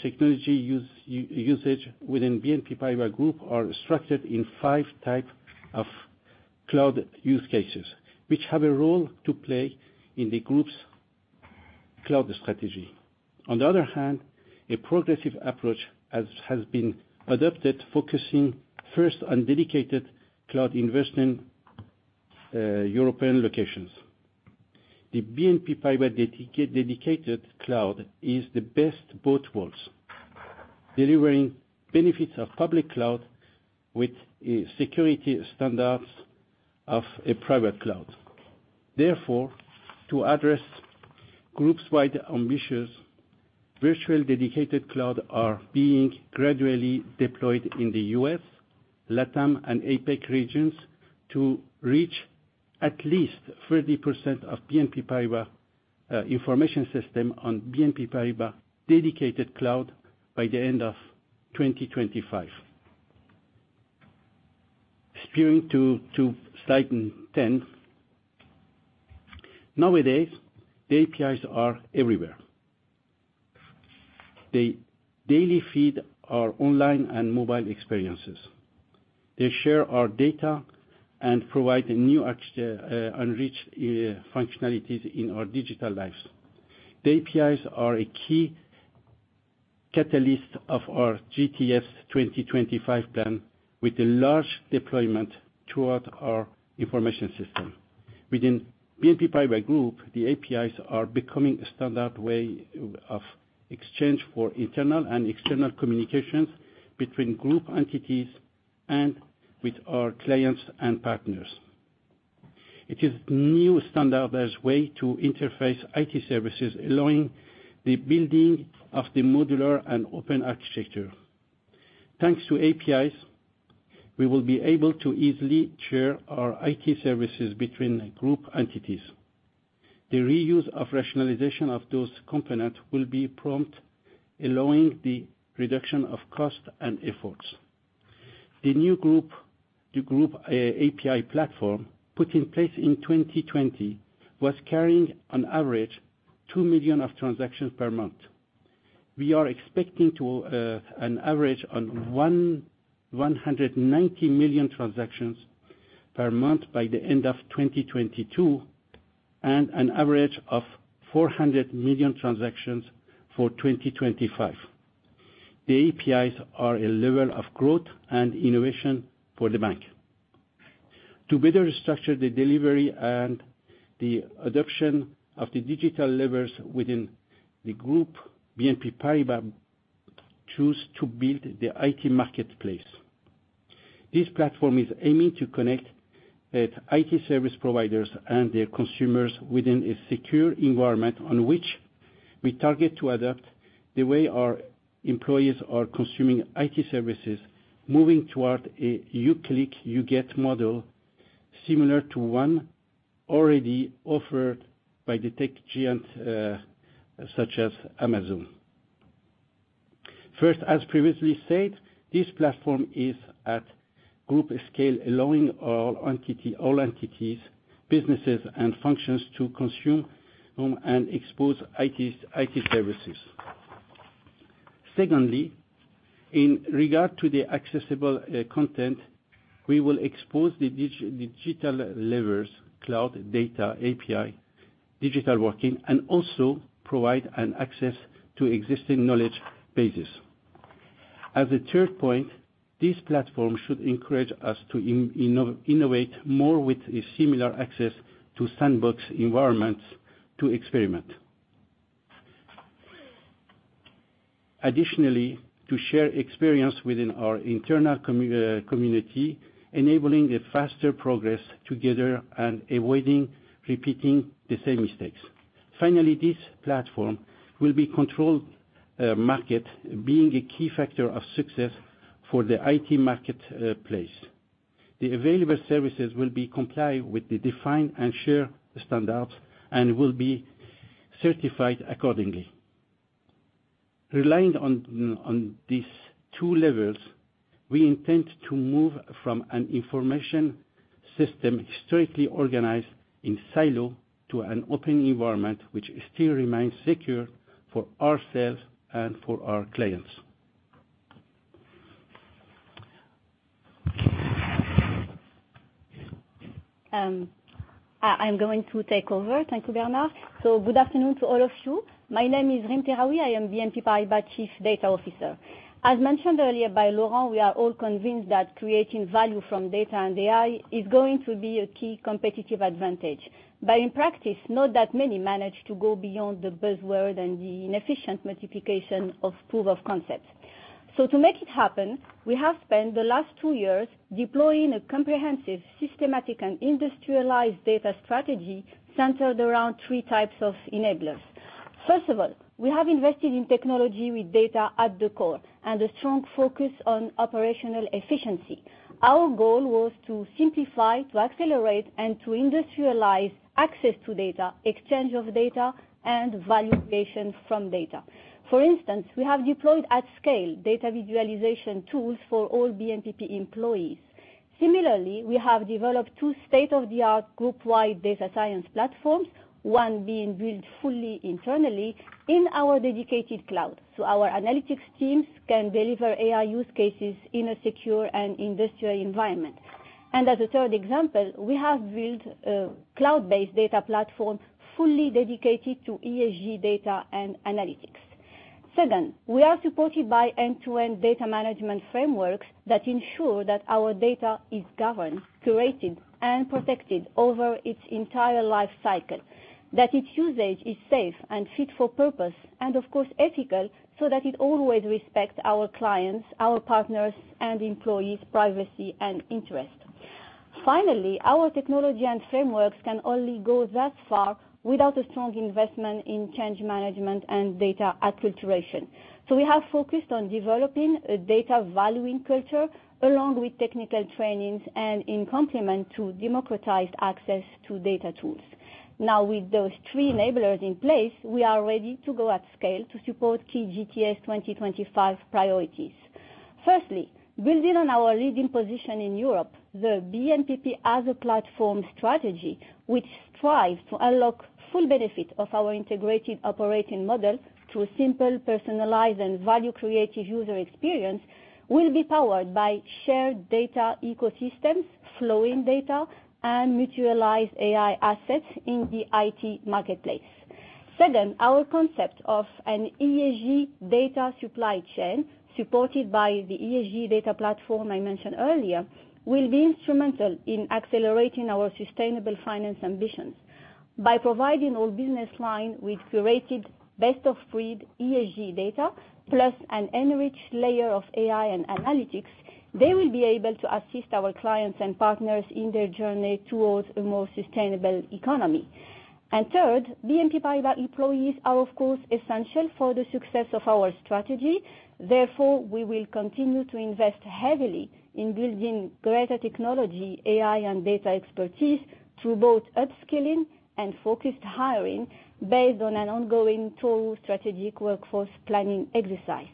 technology usage within BNP Paribas group are structured in five type of cloud use cases, which have a role to play in the group's cloud strategy. On the other hand, a progressive approach has been adopted, focusing first on dedicated cloud investment, European locations. The BNP Paribas dedicated cloud is the best of both worlds, delivering benefits of public cloud with security standards of a private cloud. Therefore, to address group-wide ambitions, virtual dedicated cloud is being gradually deployed in the U.S., LATAM, and APAC regions to reach at least 30% of BNP Paribas information system on BNP Paribas dedicated cloud by the end of 2025. Referring to slide 10. Nowadays, the APIs are everywhere. They daily feed our online and mobile experiences. They share our data and provide a new enriched functionalities in our digital lives. The APIs are a key catalyst of our GTS 2025 plan with a large deployment throughout our information system. Within BNP Paribas group, the APIs are becoming a standard way of exchange for internal and external communications between group entities and with our clients and partners. It is new standard way to interface IT services, allowing the building of the modular and open architecture. Thanks to APIs, we will be able to easily share our IT services between group entities. The reuse and rationalization of those components will be prompt, allowing the reduction of cost and efforts. The new Group API platform, put in place in 2020, was carrying on average 2 million transactions per month. We are expecting an average of 190 million transactions per month by the end of 2022, and an average of 400 million transactions for 2025. The APIs are a level of growth and innovation for the bank. To better structure the delivery and the adoption of the digital levers within the group, BNP Paribas choose to build the IT marketplace. This platform is aiming to connect IT service providers and their consumers within a secure environment on which we target to adapt the way our employees are consuming IT services, moving toward a you click, you get model similar to one already offered by the tech giant, such as Amazon. First, as previously said, this platform is at group scale, allowing all entities, businesses, and functions to consume and expose IT services. Secondly, in regard to the accessible content, we will expose the digital levers, cloud, data, API, digital working, and also provide an access to existing knowledge bases. As a third point, this platform should encourage us to innovate more with a similar access to sandbox environments to experiment. Additionally, to share experience within our internal community, enabling a faster progress together and avoiding repeating the same mistakes. Finally, this platform will be controlled market being a key factor of success for the IT marketplace. The available services will be compliant with the defined and shared standards and will be certified accordingly. Relying on these two levels, we intend to move from an information system strictly organized in silo to an open environment which still remains secure for ourselves and for our clients.
I'm going to take over. Thank you, Bernard. Good afternoon to all of you. My name is Rim Tehraoui. I am BNP Paribas Chief Data Officer. As mentioned earlier by Laurent, we are all convinced that creating value from data and AI is going to be a key competitive advantage. In practice, not that many manage to go beyond the buzzword and the inefficient multiplication of proof of concepts. To make it happen, we have spent the last two years deploying a comprehensive, systematic, and industrialized data strategy centered around three types of enablers. First of all, we have invested in technology with data at the core and a strong focus on operational efficiency. Our goal was to simplify, to accelerate, and to industrialize access to data, exchange of data, and value creation from data. For instance, we have deployed at scale data visualization tools for all BNPP employees. Similarly, we have developed two state-of-the-art group-wide data science platforms, one being built fully internally in our dedicated cloud, so our analytics teams can deliver AI use cases in a secure and industrial environment. As a third example, we have built a cloud-based data platform fully dedicated to ESG data and analytics. Second, we are supported by end-to-end data management frameworks that ensure that our data is governed, curated, and protected over its entire life cycle, that its usage is safe and fit for purpose, and of course, ethical, so that it always respects our clients, our partners, and employees' privacy and interest. Finally, our technology and frameworks can only go that far without a strong investment in change management and data acculturation. We have focused on developing a data valuing culture along with technical trainings and in complement to democratized access to data tools. Now, with those three enablers in place, we are ready to go at scale to support key GTS 2025 priorities. Firstly, building on our leading position in Europe, the BNPP as a platform strategy, which strives to unlock full benefit of our integrated operating model through a simple, personalized, and value-creative user experience, will be powered by shared data ecosystems, flowing data, and mutualized AI assets in the IT marketplace. Second, our concept of an ESG data supply chain, supported by the ESG data platform I mentioned earlier, will be instrumental in accelerating our sustainable finance ambitions. By providing all business line with curated best of breed ESG data, plus an enriched layer of AI and analytics, they will be able to assist our clients and partners in their journey towards a more sustainable economy. Third, BNP Paribas employees are of course essential for the success of our strategy. Therefore, we will continue to invest heavily in building greater technology, AI, and data expertise through both upskilling and focused hiring based on an ongoing total strategic workforce planning exercise.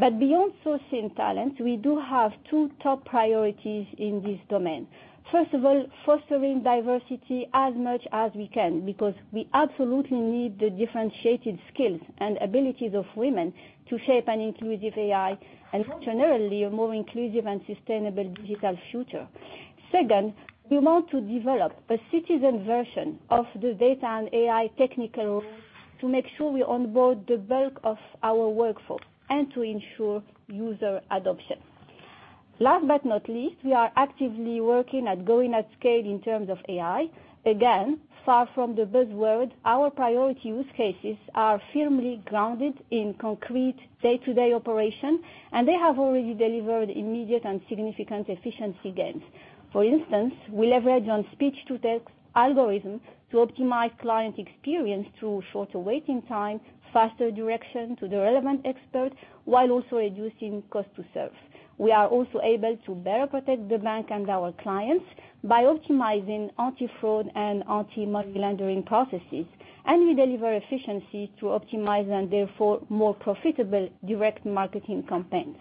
Beyond sourcing talent, we do have two top priorities in this domain. First of all, fostering diversity as much as we can because we absolutely need the differentiated skills and abilities of women to shape an inclusive AI and more generally, a more inclusive and sustainable digital future. Second, we want to develop a citizen version of the data and AI technology to make sure we onboard the bulk of our workforce and to ensure user adoption. Last but not least, we are actively working to go to scale in terms of AI. Again, far from the buzzword, our priority use cases are firmly grounded in concrete day-to-day operations, and they have already delivered immediate and significant efficiency gains. For instance, we leverage speech-to-text algorithms to optimize client experience through shorter waiting time, faster direction to the relevant expert while also reducing cost to serve. We are also able to better protect the bank and our clients by optimizing anti-fraud and anti-money laundering processes. We deliver efficiency to optimize and therefore more profitable direct marketing campaigns.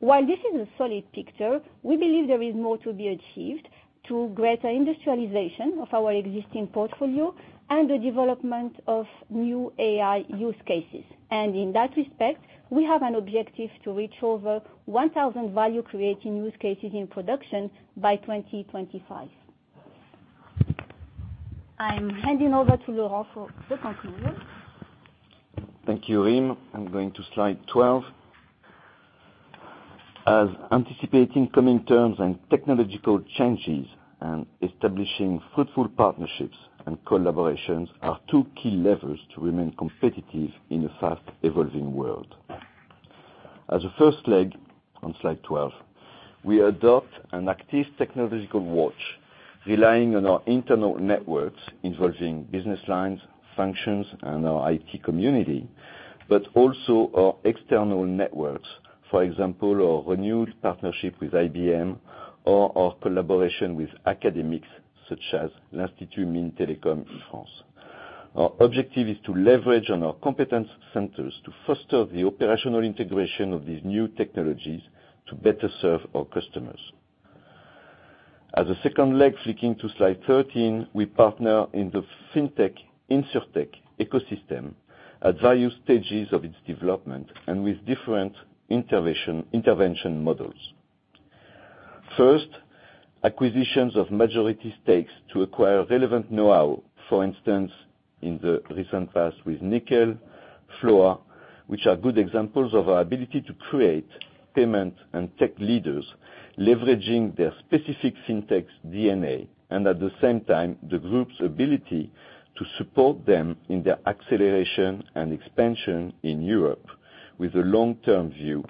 While this is a solid picture, we believe there is more to be achieved through greater industrialization of our existing portfolio and the development of new AI use cases. In that respect, we have an objective to reach over 1,000 value-creating use cases in production by 2025. I'm handing over to Laurent for the conclusion.
Thank you, Rim. I'm going to slide 12. Anticipating upcoming trends and technological changes and establishing fruitful partnerships and collaborations are two key levers to remain competitive in a fast-evolving world. As a first leg, on slide 12, we adopt an active technological watch relying on our internal networks involving business lines, functions, and our IT community, but also our external networks. For example, our renewed partnership with IBM or our collaboration with academics such as Institut Mines-Télécom in France. Our objective is to leverage on our competence centers to foster the operational integration of these new technologies to better serve our customers. As a second leg, flipping to slide 13, we partner in the fintech, insurtech ecosystem at various stages of its development and with different intervention models. First, acquisitions of majority stakes to acquire relevant know-how. For instance, in the recent past with Nickel, Floa, which are good examples of our ability to create payment and tech leaders leveraging their specific fintech's DNA, and at the same time, the group's ability to support them in their acceleration and expansion in Europe with a long-term view,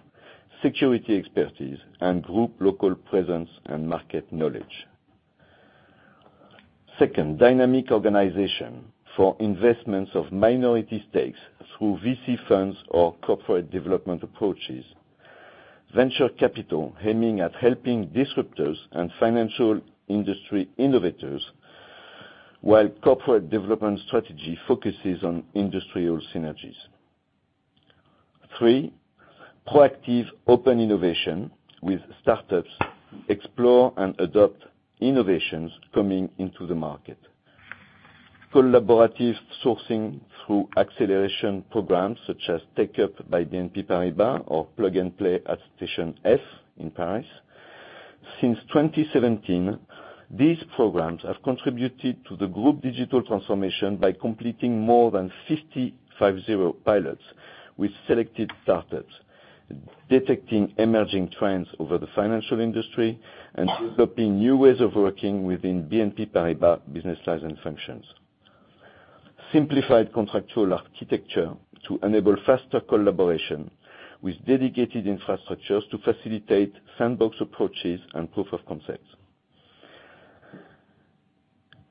security expertise, and group local presence and market knowledge. Second, dynamic organization for investments of minority stakes through VC funds or corporate development approaches. Venture capital aiming at helping disruptors and financial industry innovators, while corporate development strategy focuses on industrial synergies. Third, proactive open innovation with startups explore and adopt innovations coming into the market. Collaborative sourcing through acceleration programs such as Take Up by BNP Paribas or Plug and Play at Station F in Paris. Since 2017, these programs have contributed to the group digital transformation by completing more than 550 pilots with selected startups, detecting emerging trends over the financial industry, and developing new ways of working within BNP Paribas business styles and functions. Simplified contractual architecture to enable faster collaboration with dedicated infrastructures to facilitate sandbox approaches and proof of concepts.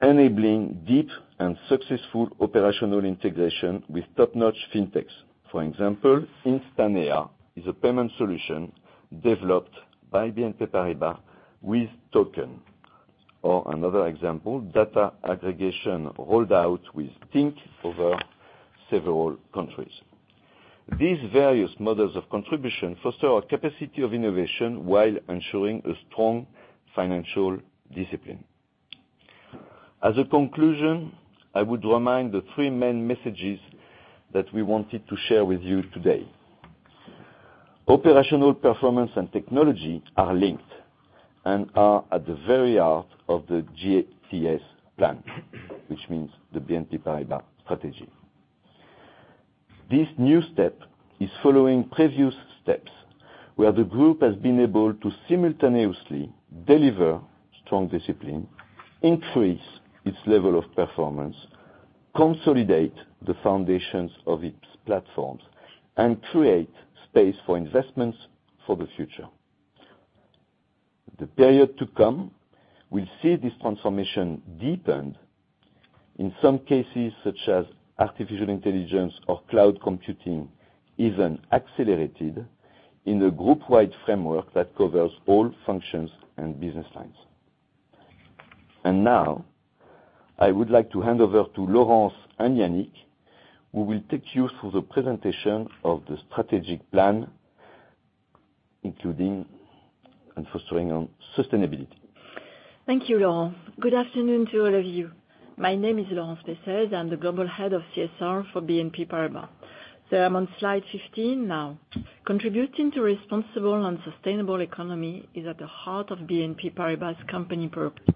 Enabling deep and successful operational integration with top-notch fintechs. For example, Instanea is a payment solution developed by BNP Paribas with Token.io. Or another example, data aggregation rolled out with Tink over several countries. These various models of contribution foster our capacity of innovation while ensuring a strong financial discipline. As a conclusion, I would remind the three main messages that we wanted to share with you today. Operational performance and technology are linked and are at the very heart of the GTS plan, which means the BNP Paribas strategy. This new step is following previous steps, where the group has been able to simultaneously deliver strong discipline, increase its level of performance, consolidate the foundations of its platforms, and create space for investments for the future. The period to come will see this transformation deepened, in some cases, such as artificial intelligence or cloud computing, even accelerated in a group-wide framework that covers all functions and business lines. Now, I would like to hand over to Laurence and Yannick, who will take you through the presentation of the strategic plan, including, and focusing on sustainability.
Thank you, Laurent. Good afternoon to all of you. My name is Laurence Pessez. I'm the Global Head of CSR for BNP Paribas. I'm on slide 15 now. Contributing to responsible and sustainable economy is at the heart of BNP Paribas' company purpose.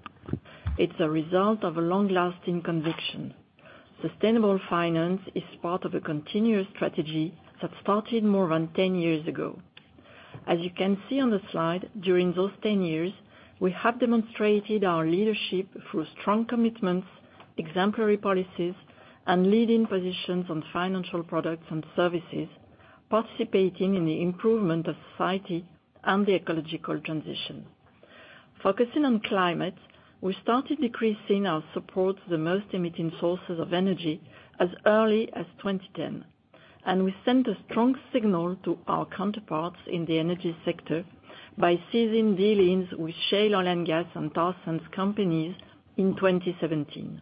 It's a result of a long-lasting conviction. Sustainable finance is part of a continuous strategy that started more than 10 years ago. As you can see on the slide, during those 10 years, we have demonstrated our leadership through strong commitments, exemplary policies, and leading positions on financial products and services, participating in the improvement of society and the ecological transition. Focusing on climate, we started decreasing our support to the most emitting sources of energy as early as 2010, and we sent a strong signal to our counterparts in the energy sector by ceasing dealings with shale oil and gas and tar sands companies in 2017.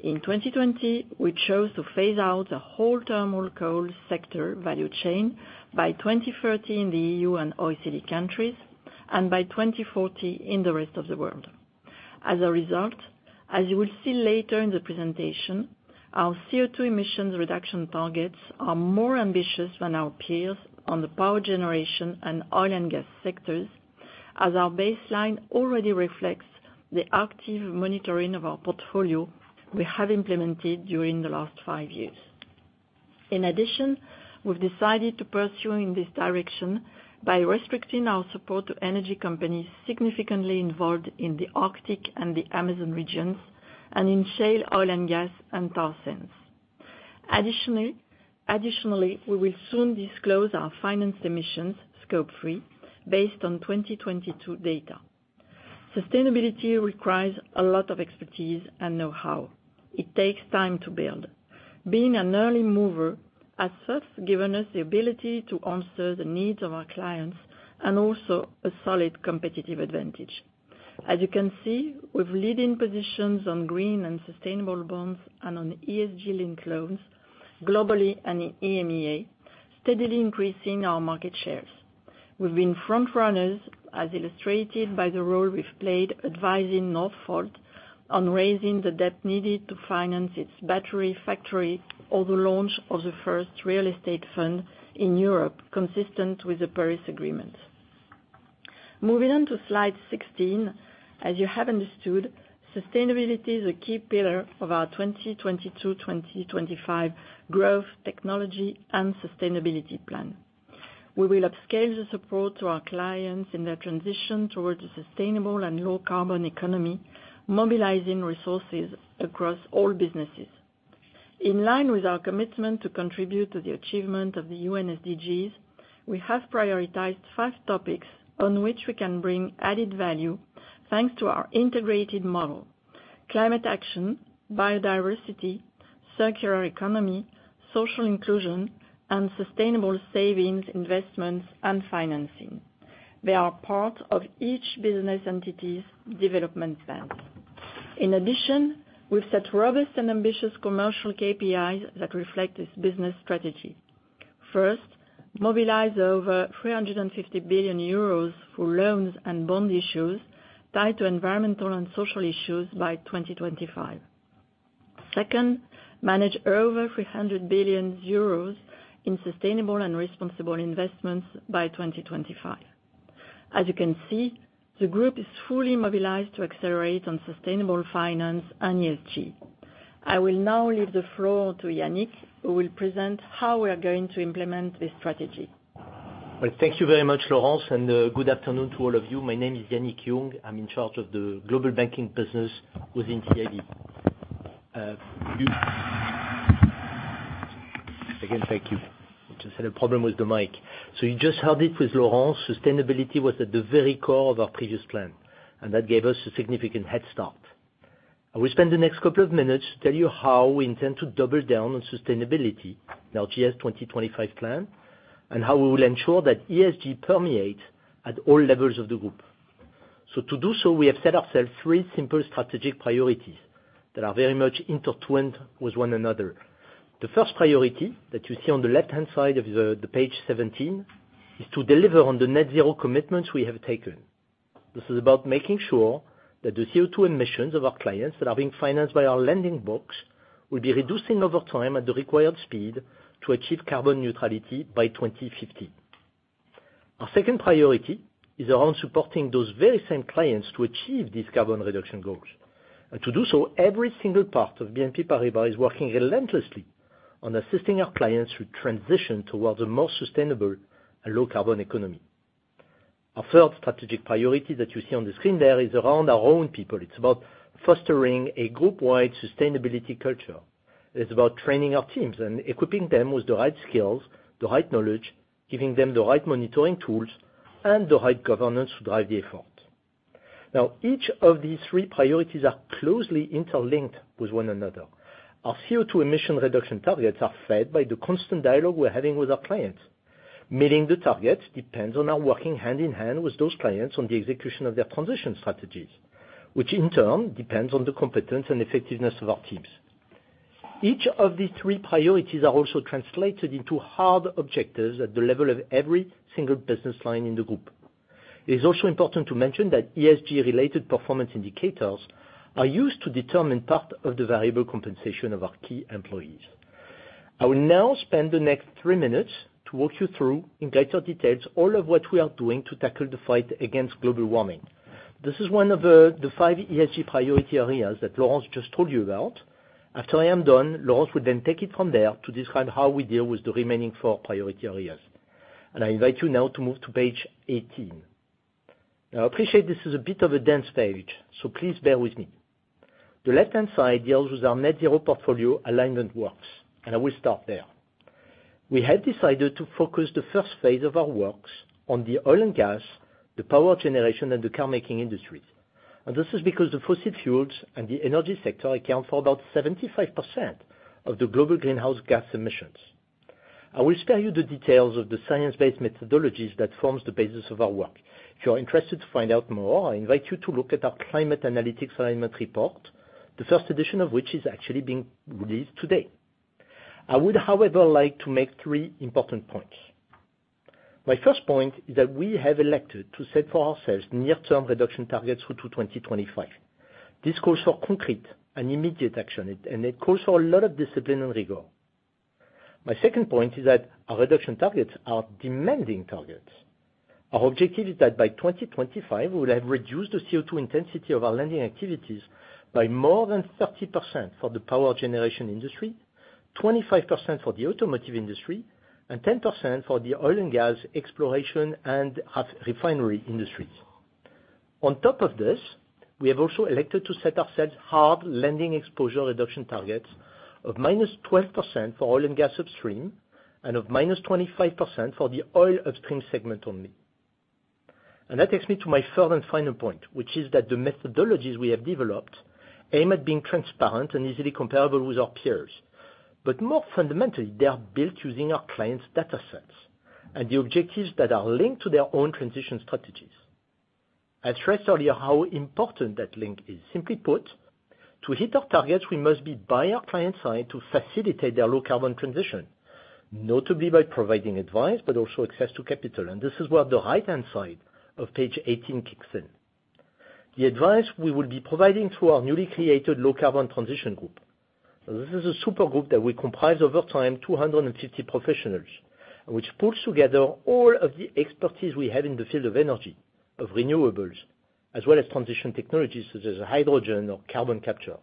In 2020, we chose to phase out the whole thermal coal sector value chain by 2030 in the EU and OECD countries, and by 2040 in the rest of the world. As a result, as you will see later in the presentation, our CO2 emissions reduction targets are more ambitious than our peers on the power generation and oil and gas sectors, as our baseline already reflects the active monitoring of our portfolio we have implemented during the last five years. In addition, we've decided to pursue in this direction by restricting our support for energy companies significantly involved in the Arctic and the Amazon regions and in shale, oil and gas, and tar sands. Additionally, we will soon disclose our financed emissions, Scope three, based on 2022 data. Sustainability requires a lot of expertise and know-how. It takes time to build. Being an early mover has thus given us the ability to answer the needs of our clients and also a solid competitive advantage. As you can see, we have leading positions on green and sustainable bonds and on ESG-linked loans globally and in EMEA, steadily increasing our market shares. We've been front runners, as illustrated by the role we've played advising Northvolt on raising the debt needed to finance its battery factory, or the launch of the first real estate fund in Europe, consistent with the Paris Agreement. Moving on to slide 16. As you have understood, sustainability is a key pillar of our 2022-2025 growth, technology, and sustainability plan. We will upscale the support to our clients in their transition towards a sustainable and low-carbon economy, mobilizing resources across all businesses. In line with our commitment to contribute to the achievement of the UN SDGs, we have prioritized five topics on which we can bring added value thanks to our integrated model: climate action, biodiversity, circular economy, social inclusion, and sustainable savings, investments, and financing. They are part of each business entity's development plans. In addition, we've set robust and ambitious commercial KPIs that reflect this business strategy. First, mobilize over 350 billion euros for loans and bond issues tied to environmental and social issues by 2025. Second, manage over 300 billion euros in sustainable and responsible investments by 2025. As you can see, the group is fully mobilized to accelerate on sustainable finance and ESG. I will now leave the floor to Yannick, who will present how we are going to implement this strategy.
Well, thank you very much, Laurence, and good afternoon to all of you. My name is Yannick Jung. I'm in charge of the global banking business within CIB. Again, thank you. Just had a problem with the mic. So you just heard it with Laurence. Sustainability was at the very core of our previous plan, and that gave us a significant head start. I will spend the next couple of minutes to tell you how we intend to double down on sustainability in our GTS 2025 plan, and how we will ensure that ESG permeates at all levels of the group. To do so, we have set ourselves three simple strategic priorities that are very much intertwined with one another. The first priority that you see on the left-hand side of the page 17 is to deliver on the net zero commitments we have taken. This is about making sure that the CO2 emissions of our clients that are being financed by our lending books will be reducing over time at the required speed to achieve carbon neutrality by 2050. Our second priority is around supporting those very same clients to achieve these carbon reduction goals. To do so, every single part of BNP Paribas is working relentlessly on assisting our clients to transition towards a more sustainable and low-carbon economy. Our third strategic priority that you see on the screen there is around our own people. It's about fostering a group-wide sustainability culture. It's about training our teams and equipping them with the right skills, the right knowledge, giving them the right monitoring tools, and the right governance to drive the effort. Now, each of these three priorities are closely interlinked with one another. Our CO2 emission reduction targets are fed by the constant dialogue we're having with our clients. Meeting the targets depends on our working hand in hand with those clients on the execution of their transition strategies, which in turn depends on the competence and effectiveness of our teams. Each of these three priorities are also translated into hard objectives at the level of every single business line in the group. It is also important to mention that ESG-related performance indicators are used to determine part of the variable compensation of our key employees. I will now spend the next three minutes to walk you through, in greater details, all of what we are doing to tackle the fight against global warming. This is one of, the five ESG priority areas that Laurence just told you about. After I am done, Laurence will then take it from there to describe how we deal with the remaining four priority areas. I invite you now to move to page 18. Now I appreciate this is a bit of a dense page, so please bear with me. The left-hand side deals with our net zero portfolio alignment works, and I will start there. We have decided to focus the first phase of our works on the oil and gas, the power generation, and the car making industry. This is because the fossil fuels and the energy sector account for about 75% of the global greenhouse gas emissions. I will spare you the details of the science-based methodologies that forms the basis of our work. If you are interested to find out more, I invite you to look at our climate analytics alignment report, the first edition of which is actually being released today. I would, however, like to make three important points. My first point is that we have elected to set for ourselves near-term reduction targets through to 2025. This calls for concrete and immediate action, and it calls for a lot of discipline and rigor. My second point is that our reduction targets are demanding targets. Our objective is that by 2025, we'll have reduced the CO2 intensity of our lending activities by more than 30% for the power generation industry, 25% for the automotive industry, and 10% for the oil and gas exploration and refinery industries. On top of this, we have also elected to set ourselves hard lending exposure reduction targets of -12% for oil and gas upstream, and of -25% for the oil upstream segment only. That takes me to my third and final point, which is that the methodologies we have developed aim at being transparent and easily comparable with our peers. More fundamentally, they are built using our clients' data sets and the objectives that are linked to their own transition strategies. I stressed earlier how important that link is. Simply put, to hit our targets, we must be by our client's side to facilitate their low carbon transition, notably by providing advice but also access to capital. This is where the right-hand side of page 18 kicks in. The advice we will be providing through our newly created Low Carbon Transition Group. This is a super group that will comprise over time 250 professionals, which pulls together all of the expertise we have in the field of energy, of renewables, as well as transition technologies such as hydrogen or carbon capture.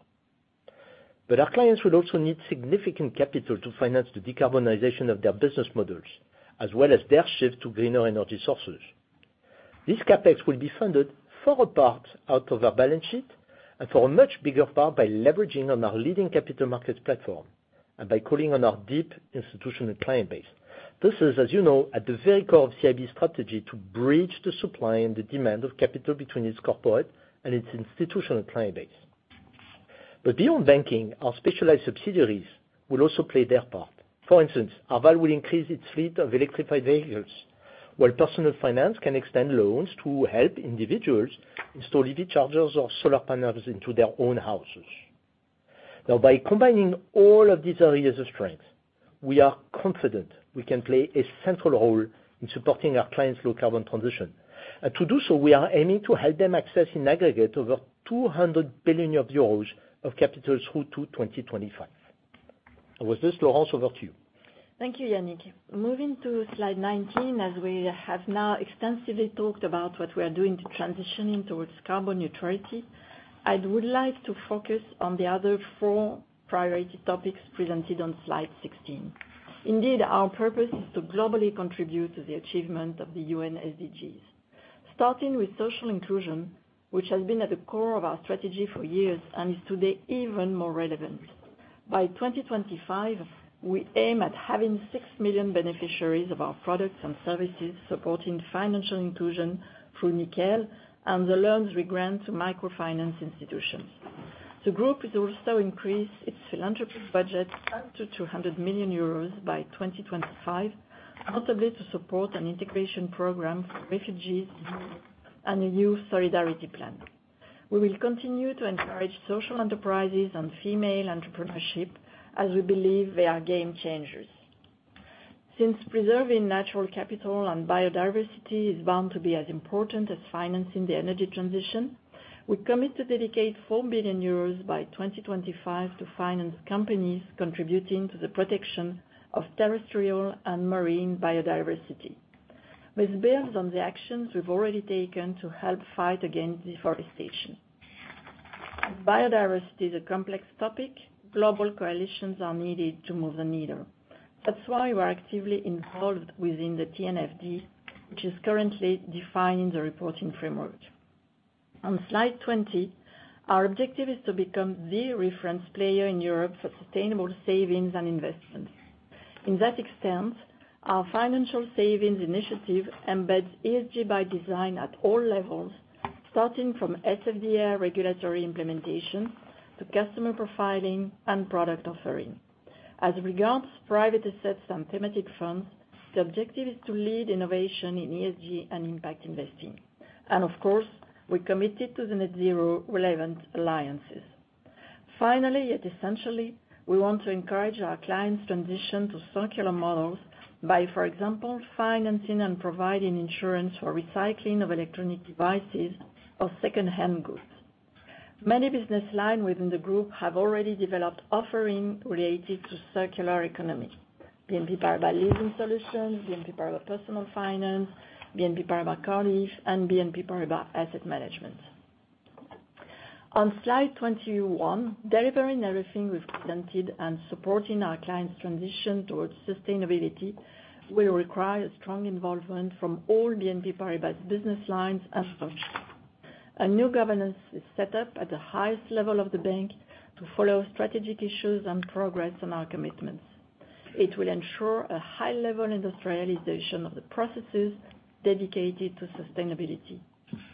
Our clients will also need significant capital to finance the decarbonization of their business models, as well as their shift to greener energy sources. This CapEx will be funded for a part out of our balance sheet and for a much bigger part by leveraging on our leading capital markets platform and by calling on our deep institutional client base. This is, as you know, at the very core of CIB's strategy to bridge the supply and the demand of capital between its corporate and its institutional client base. Beyond banking, our specialized subsidiaries will also play their part. For instance, Arval will increase its fleet of electrified vehicles, while personal finance can extend loans to help individuals install EV chargers or solar panels into their own houses. Now, by combining all of these areas of strength, we are confident we can play a central role in supporting our clients' low carbon transition. To do so, we are aiming to help them access, in aggregate, over 200 billion euros of capital through to 2025. With this, Laurence, over to you.
Thank you, Yannick. Moving to slide 19, as we have now extensively talked about what we are doing to transitioning towards carbon neutrality, I would like to focus on the other four priority topics presented on slide 16. Indeed, our purpose is to globally contribute to the achievement of the UN SDGs. Starting with social inclusion, which has been at the core of our strategy for years and is today even more relevant. By 2025, we aim at having 6 million beneficiaries of our products and services, supporting financial inclusion through Nickel and the loans we grant to microfinance institutions. The group has also increased its philanthropy budget up to 200 million euros by 2025, notably to support an integration program for refugees and a new solidarity plan. We will continue to encourage social enterprises and female entrepreneurship as we believe they are game changers. Since preserving natural capital and biodiversity is bound to be as important as financing the energy transition, we commit to dedicate 4 billion euros by 2025 to finance companies contributing to the protection of terrestrial and marine biodiversity. This builds on the actions we've already taken to help fight against deforestation. Biodiversity is a complex topic. Global coalitions are needed to move the needle. That's why we're actively involved within the TNFD, which is currently defining the reporting framework. On slide 20, our objective is to become the reference player in Europe for sustainable savings and investments. To that extent, our financial savings initiative embeds ESG by design at all levels, starting from SFDR regulatory implementation to customer profiling and product offering. As regards private assets and thematic funds, the objective is to lead innovation in ESG and impact investing. Of course, we're committed to the net zero relevant alliances. Finally, yet essentially, we want to encourage our clients' transition to circular models by, for example, financing and providing insurance for recycling of electronic devices or secondhand goods. Many business lines within the group have already developed offerings related to circular economy. BNP Paribas Leasing Solutions, BNP Paribas Personal Finance, BNP Paribas Cardif, and BNP Paribas Asset Management. On slide 21, delivering everything we've presented and supporting our clients' transition towards sustainability will require a strong involvement from all BNP Paribas business lines as such. A new governance is set up at the highest level of the bank to follow strategic issues and progress on our commitments. It will ensure a high-level industrialization of the processes dedicated to sustainability.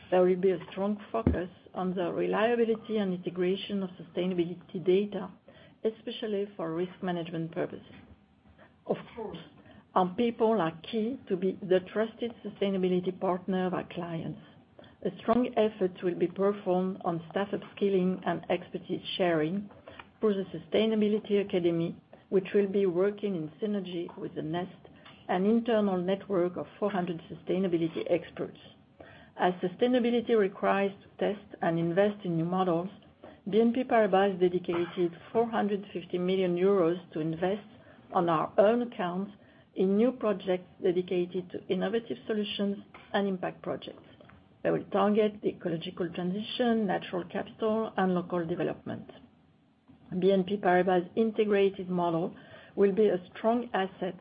There will be a strong focus on the reliability and integration of sustainability data, especially for risk management purposes. Of course, our people are key to be the trusted sustainability partner of our clients. A strong effort will be performed on staff upskilling and expertise sharing through the Sustainability Academy, which will be working in synergy with the Nest, an internal network of 400 sustainability experts. As sustainability requires to test and invest in new models, BNP Paribas dedicated 450 million euros to invest on our own accounts in new projects dedicated to innovative solutions and impact projects that will target the ecological transition, natural capital, and local development. BNP Paribas' integrated model will be a strong asset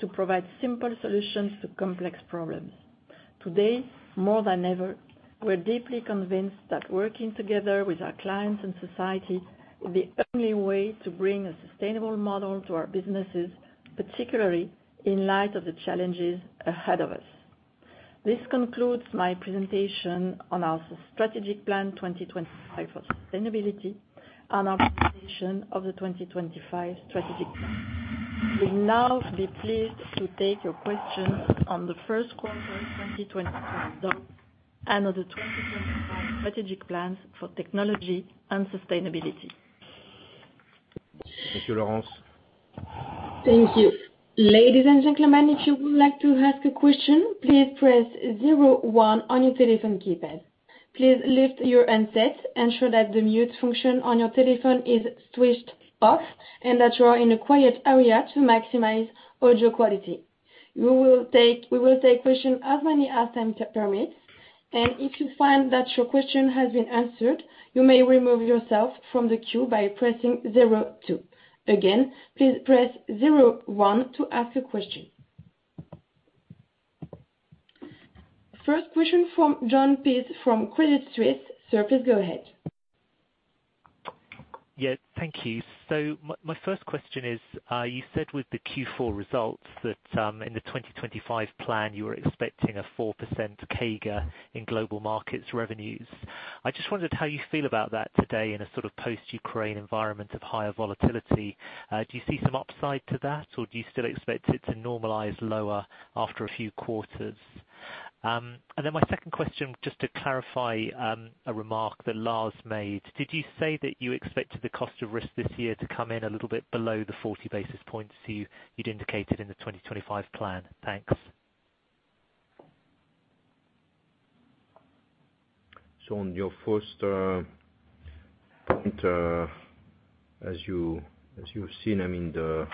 to provide simple solutions to complex problems. Today, more than ever, we're deeply convinced that working together with our clients and society is the only way to bring a sustainable model to our businesses, particularly in light of the challenges ahead of us. This concludes my presentation on our strategic plan 2025 for sustainability and our presentation of the 2025 strategic plan. We'll now be pleased to take your questions on the first quarter 2025 and on the 2025 strategic plans for technology and sustainability.
Thank you, Laurence.
Thank you. Ladies and gentlemen, if you would like to ask a question, please press zero one on your telephone keypad. Please lift your handset, ensure that the mute function on your telephone is switched off, and that you are in a quiet area to maximize audio quality. We will take questions as many as time permits, and if you find that your question has been answered, you may remove yourself from the queue by pressing zero two. Again, please press zero one to ask a question. First question from Jon Peace from Credit Suisse. Sir, please go ahead.
Thank you. My first question is, you said with the Q4 results that, in the 2025 plan, you were expecting a 4% CAGR in global markets revenues. I just wondered how you feel about that today in a sort of post-Ukraine environment of higher volatility. Do you see some upside to that, or do you still expect it to normalize lower after a few quarters? My second question, just to clarify, a remark that Lars made. Did you say that you expected the cost of risk this year to come in a little bit below the 40 basis points you'd indicated in the 2025 plan? Thanks.
On your first point, as you've seen, I mean, the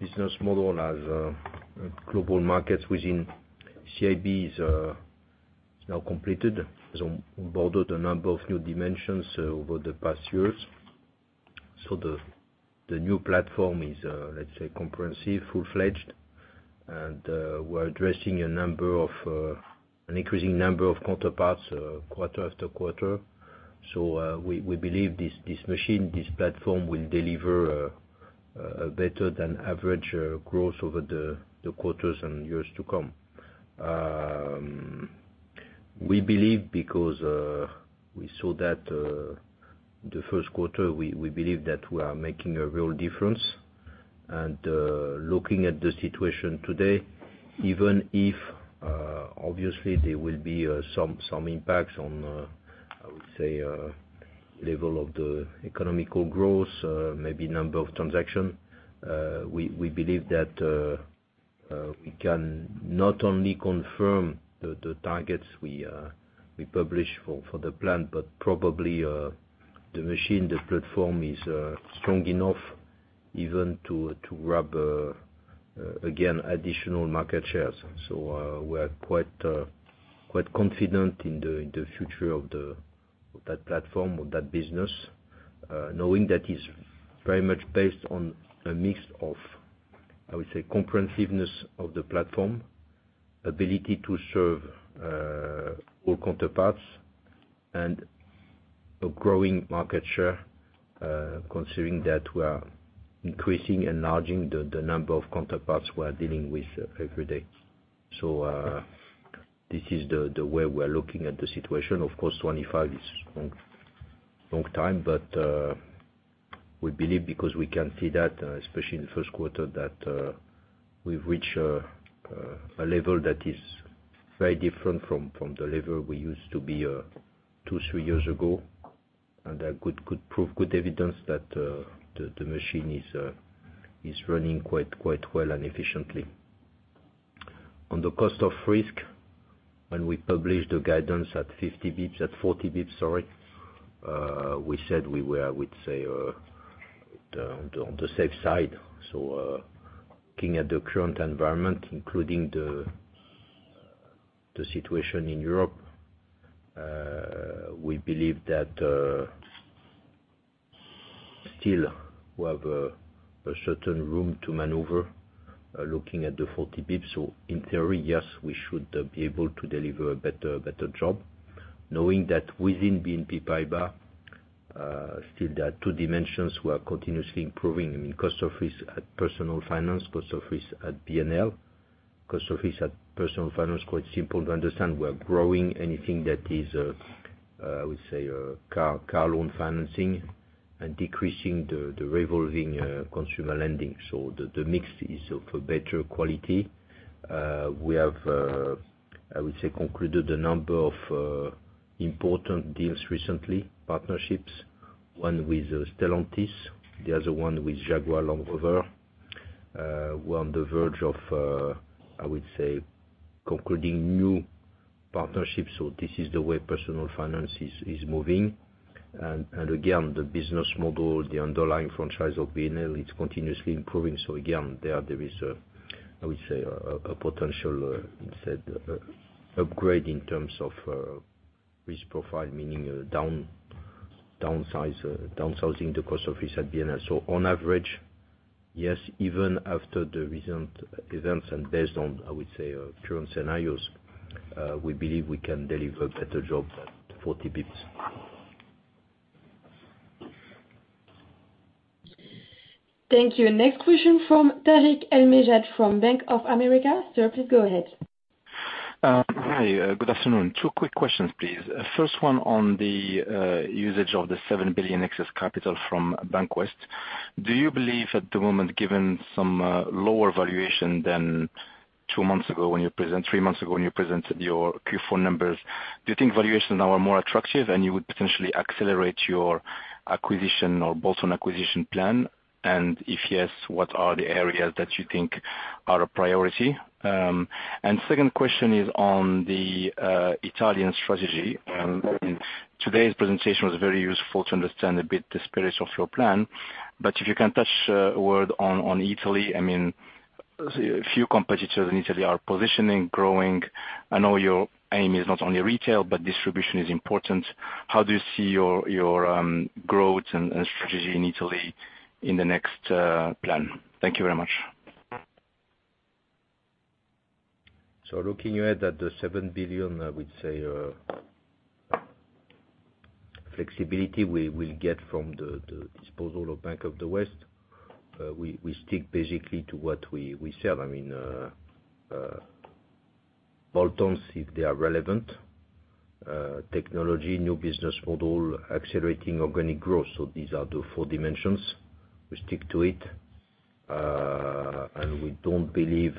business model as global markets within CIB is now completed. Has onboarded a number of new dimensions over the past years. The new platform is, let's say, comprehensive, full-fledged, and we're addressing an increasing number of counterparts quarter after quarter. We believe this machine, this platform will deliver a better than average growth over the quarters and years to come. We believe because we saw that the first quarter, we believe that we are making a real difference. Looking at the situation today, even if obviously there will be some impacts on, I would say, level of the economic growth, maybe number of transactions, we believe that we can not only confirm the targets we publish for the plan, but probably the platform is strong enough even to grab again additional market shares. We are quite confident in the future of that platform, of that business, knowing that is very much based on a mix of, I would say, comprehensiveness of the platform, ability to serve all counterparties, and a growing market share, considering that we are increasing and enlarging the number of counterparties we are dealing with every day. This is the way we are looking at the situation. Of course, 25 is a long time, but we believe because we can see that, especially in the first quarter, that we've reached a level that is very different from the level we used to be two, three years ago, and a good proof, good evidence that the machine is running quite well and efficiently. On the cost of risk, when we published the guidance at 50 BPS. At 40 BPS, sorry, we said we were, I would say, on the safe side. Looking at the current environment, including the situation in Europe, we believe that still we have a certain room to maneuver, looking at the 40 BPS. In theory, yes, we should be able to deliver a better job. Knowing that within BNP Paribas, still there are two dimensions we are continuously improving. I mean, cost of risk at Personal Finance, cost of risk at BNL. Cost of risk at Personal Finance, quite simple to understand. We are growing anything that is car loan financing and decreasing the revolving consumer lending. The mix is of a better quality. We have concluded a number of important deals recently, partnerships. One with Stellantis, the other one with Jaguar Land Rover. We're on the verge of concluding new partnerships. This is the way Personal Finance is moving. Again, the business model, the underlying franchise of BNL, it's continuously improving. Again, there is a, I would say, a potential, you said, upgrade in terms of risk profile, meaning downsizing the cost of risk at BNL. On average, yes, even after the recent events and based on, I would say, current scenarios, we believe we can deliver better job at 40 BPS.
Thank you. Next question from Tarik El Mejjad from Bank of America. Sir, please go ahead.
Hi. Good afternoon. Two quick questions, please. First one on the usage of the 7 billion excess capital from BancWest. Do you believe at the moment, given some lower valuation than two months ago when you presented your Q4 numbers, do you think valuations now are more attractive and you would potentially accelerate your acquisition or bolt-on acquisition plan? If yes, what are the areas that you think are a priority? Second question is on the Italian strategy. Today's presentation was very useful to understand a bit the spirit of your plan. If you can touch a word on Italy, I mean, a few competitors in Italy are positioning, growing. I know your aim is not only retail, but distribution is important. How do you see your growth and strategy in Italy in the next plan? Thank you very much.
Looking ahead at the 7 billion flexibility we will get from the disposal of Bank of the West, we stick basically to what we said. I mean, bolt-ons, if they are relevant, technology, new business model, accelerating organic growth. These are the four dimensions. We stick to it. We don't believe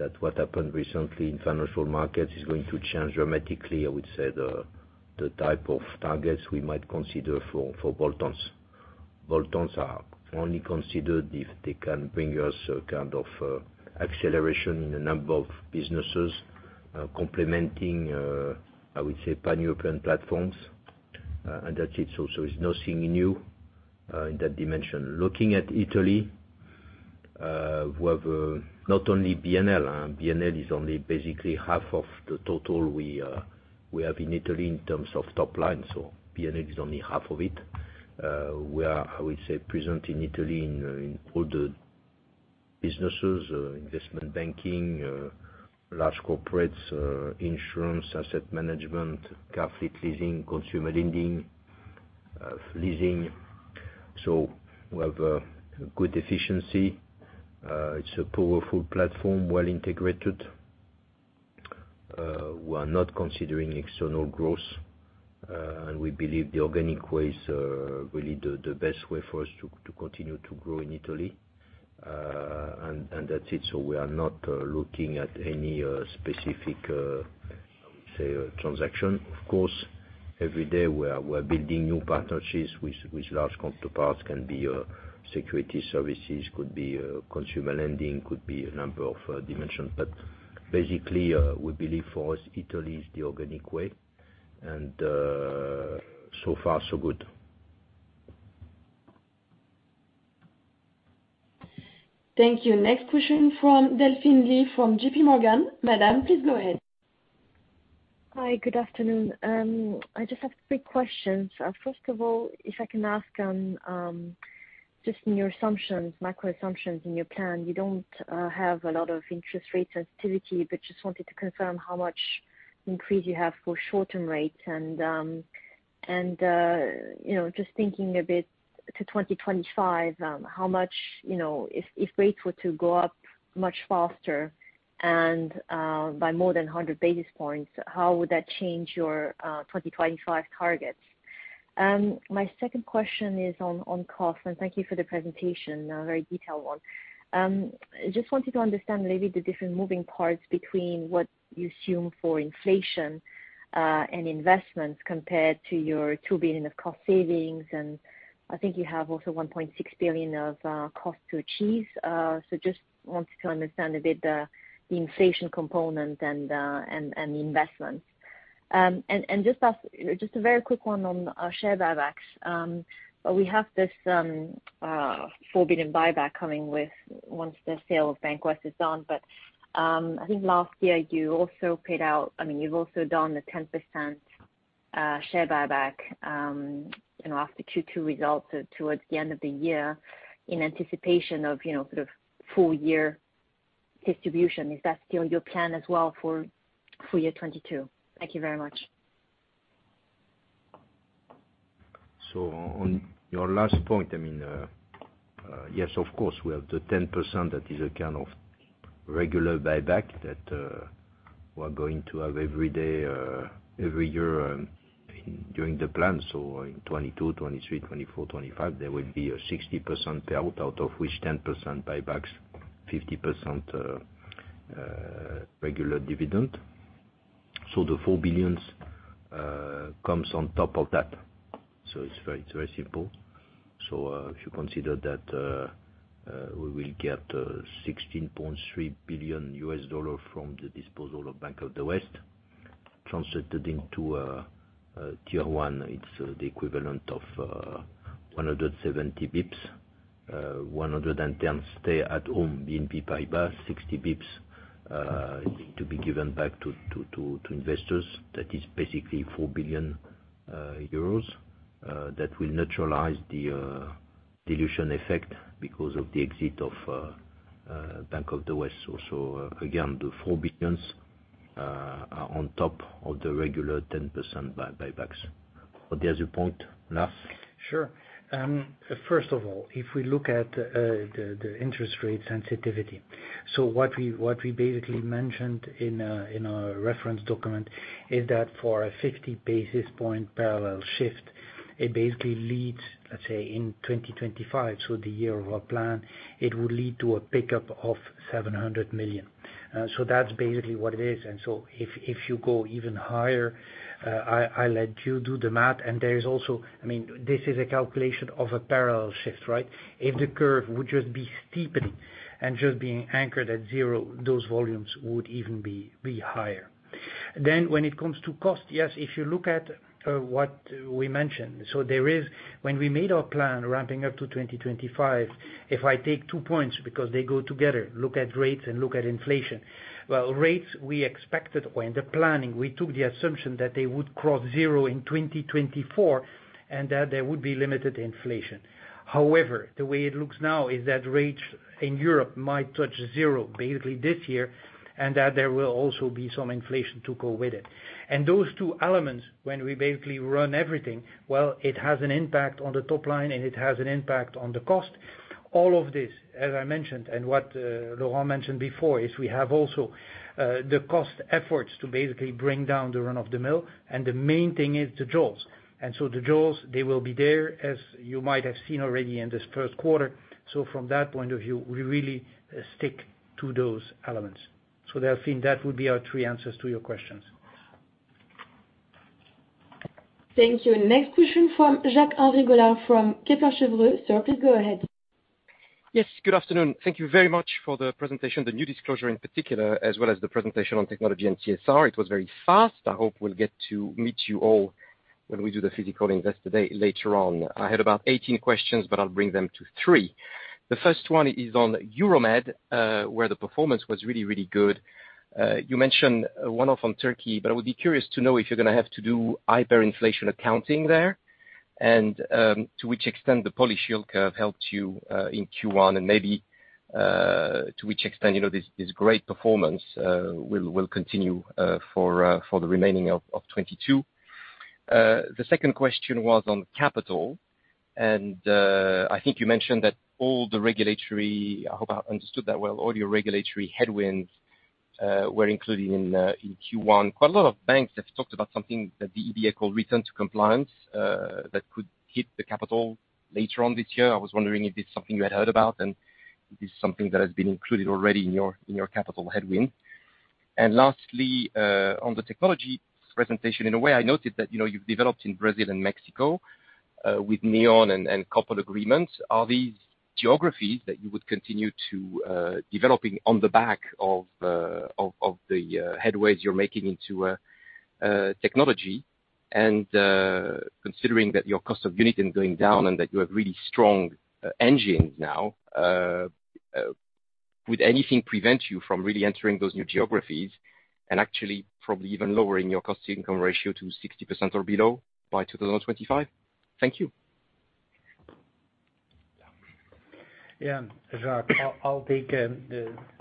that what happened recently in financial markets is going to change dramatically, I would say, the type of targets we might consider for bolt-ons. Bolt-ons are only considered if they can bring us a kind of acceleration in a number of businesses, complementing, I would say, Pan-European platforms. That's it. It's nothing new in that dimension. Looking at Italy, we have not only BNL. BNL is only basically half of the total we have in Italy in terms of top line. BNL is only half of it. We are, I would say, present in Italy in all the businesses, investment banking, large corporates, insurance, asset management, car fleet leasing, consumer lending, leasing. We have a good efficiency. It's a powerful platform, well integrated. We are not considering external growth, and we believe the organic way is really the best way for us to continue to grow in Italy. And that's it. We are not looking at any specific, how we say, transaction. Of course, every day we're building new partnerships with large counterparts, can be security services, could be consumer lending, could be a number of dimensions. Basically, we believe for us, Italy is the organic way, and so far so good.
Thank you. Next question from Delphine Lee from J.P. Morgan. Madame, please go ahead.
Hi. Good afternoon. I just have quick questions. First of all, if I can ask on just in your assumptions, macro assumptions in your plan, you don't have a lot of interest rate sensitivity, but just wanted to confirm how much increase you have for short-term rates. You know, just thinking a bit to 2025, how much, you know, if rates were to go up much faster and by more than 100 basis points, how would that change your 2025 targets? My second question is on cost, and thank you for the presentation, a very detailed one. Just wanted to understand maybe the different moving parts between what you assume for inflation and investments compared to your 2 billion of cost savings, and I think you have also 1.6 billion of cost to achieve. So just wanted to understand a bit the inflation component and the investments. And just ask a very quick one on share buybacks. We have this four billion buyback coming with once the sale of BancWest is done. I think last year you also paid out, I mean, you've also done the 10% share buyback, you know, after Q2 results towards the end of the year in anticipation of, you know, sort of full year distribution. Is that still your plan as well for full year 2022? Thank you very much.
On your last point, I mean, yes, of course, we have the 10% that is a kind of regular buyback that we're going to have every day every year in during the plan. In 2022, 2023, 2024, 2025, there will be a 60% payout, out of which 10% buybacks, 50% regular dividend. The 4 billion comes on top of that. It's very simple. If you consider that we will get $16.3 billion from the disposal of Bank of the West, translated into tier one, it's the equivalent of 170 basis points, 110 stay at BNP Paribas, 60 basis points to be given back to investors. That is basically 4 billion euros that will neutralize the dilution effect because of the exit of Bank of the West. So again, the 4 billions are on top of the regular 10% buybacks. But there's a point left.
Sure. First of all, if we look at the interest rate sensitivity. What we basically mentioned in our reference document is that for a 50 basis point parallel shift, it basically leads, let's say, in 2025, so the year of our plan, it would lead to a pickup of 700 million. So that's basically what it is. If you go even higher, I let you do the math. There is also I mean this is a calculation of a parallel shift, right? If the curve would just be steepening and just being anchored at zero, those volumes would even be higher. When it comes to cost, yes, if you look at what we mentioned, when we made our plan ramping up to 2025, if I take two points because they go together, look at rates and look at inflation, well, rates we expected when the planning, we took the assumption that they would cross zero in 2024 and that there would be limited inflation. However, the way it looks now is that rates in Europe might touch zero basically this year and that there will also be some inflation to go with it. Those two elements, when we basically run everything, well, it has an impact on the top line, and it has an impact on the cost. All of this, as I mentioned, and what Laurent mentioned before, is we have also the cost efforts to basically bring down the run rate, and the main thing is the jaws. The jaws, they will be there, as you might have seen already in this first quarter. From that point of view, we really stick to those elements. Delphine, that would be our three answers to your questions.
Thank you. Next question from Jacques-Henri Gaulard from Kepler Cheuvreux. Sir, please go ahead.
Yes, good afternoon. Thank you very much for the presentation, the new disclosure in particular, as well as the presentation on technology and TSR. It was very fast. I hope we'll get to meet you all when we do the physical investor day later on. I had about 18 questions, but I'll bring them to three. The first one is on Euromed, where the performance was really, really good. You mentioned a one-off on Turkey, but I would be curious to know if you're gonna have to do hyperinflation accounting there, and to which extent the policy yield curve helped you in Q1, and maybe to which extent, you know, this great performance will continue for the remaining of 2022. The second question was on capital, and I think you mentioned that all the regulatory, I hope I understood that well, all your regulatory headwinds were included in Q1. Quite a lot of banks have talked about something that the EBA call return to compliance, that could hit the capital later on this year. I was wondering if it's something you had heard about, and if it's something that has been included already in your capital headwind. Lastly, on the technology presentation, in a way I noted that, you know, you've developed in Brazil and Mexico with Neon and couple agreements. Are these geographies that you would continue to developing on the back of the headways you're making into technology? Considering that your cost per unit is going down and that you have really strong engines now, would anything prevent you from really entering those new geographies and actually probably even lowering your cost income ratio to 60% or below by 2025? Thank you.
Yeah, Jacques-Henri, I'll take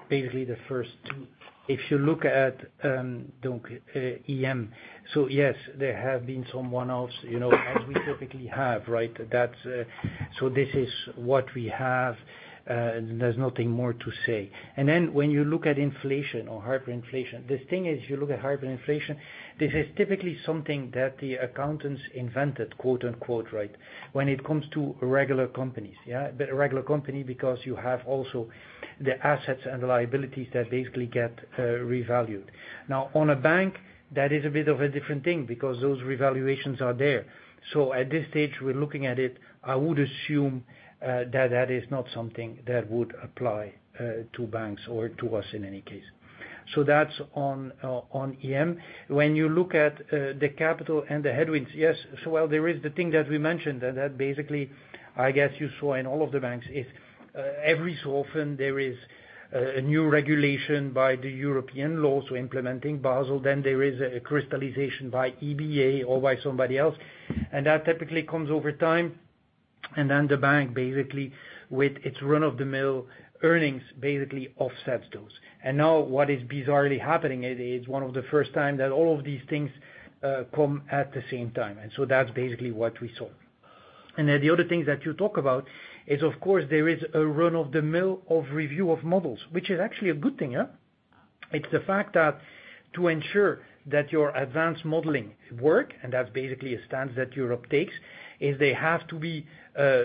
basically the first two. If you look at the EM, so yes, there have been some one-offs, you know, as we typically have, right? That's so this is what we have. There's nothing more to say. Then when you look at inflation or hyperinflation, the thing is, you look at hyperinflation, this is typically something that the accountants invented, quote-unquote, right? When it comes to regular companies, yeah? A regular company because you have also the assets and liabilities that basically get revalued. Now, on a bank, that is a bit of a different thing because those revaluations are there. So at this stage, we're looking at it. I would assume that that is not something that would apply to banks or to us in any case. So that's on EM. When you look at the capital and the headwinds, yes, so while there is the thing that we mentioned, that basically, I guess you saw in all of the banks, is every so often there is a new regulation by the European laws implementing Basel, then there is a crystallization by EBA or by somebody else. That typically comes over time, and then the bank basically, with its run-of-the-mill earnings, basically offsets those. Now what is bizarrely happening is one of the first time that all of these things come at the same time. That's basically what we saw. Then the other things that you talk about is of course there is a run-of-the-mill of review of models, which is actually a good thing, huh? It's the fact that to ensure that your advanced modeling work, and that's basically a stance that Europe takes, is they have to be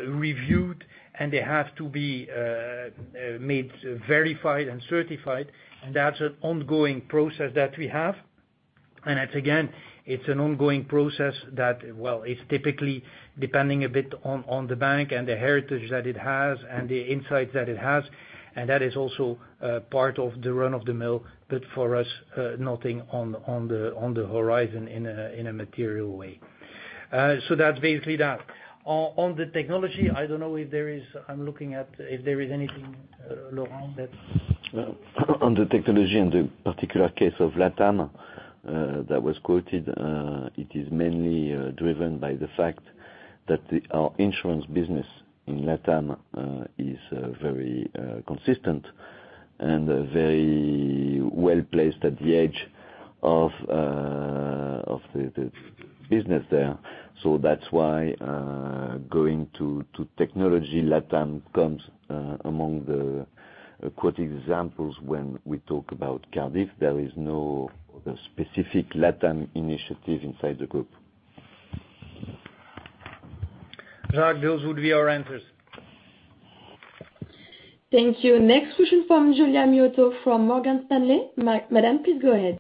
reviewed, and they have to be made verified and certified, and that's an ongoing process that we have. It's again an ongoing process that, well, it's typically depending a bit on the bank and the heritage that it has and the insights that it has, and that is also part of the run-of-the-mill, but for us, nothing on the horizon in a material way. That's basically that. On the technology, I don't know if there is. I'm looking at if there is anything, Laurent, that's-
On the technology, in the particular case of LATAM that was quoted, it is mainly driven by the fact that our insurance business in LATAM is very consistent and very well-placed at the edge of the business there. That's why, going to technology, LATAM comes among the quoted examples when we talk about Cardif. There is no specific LATAM initiative inside the group.
Jacques, those would be our answers.
Thank you. Next question from Giulia Miotto from Morgan Stanley. Madam, please go ahead.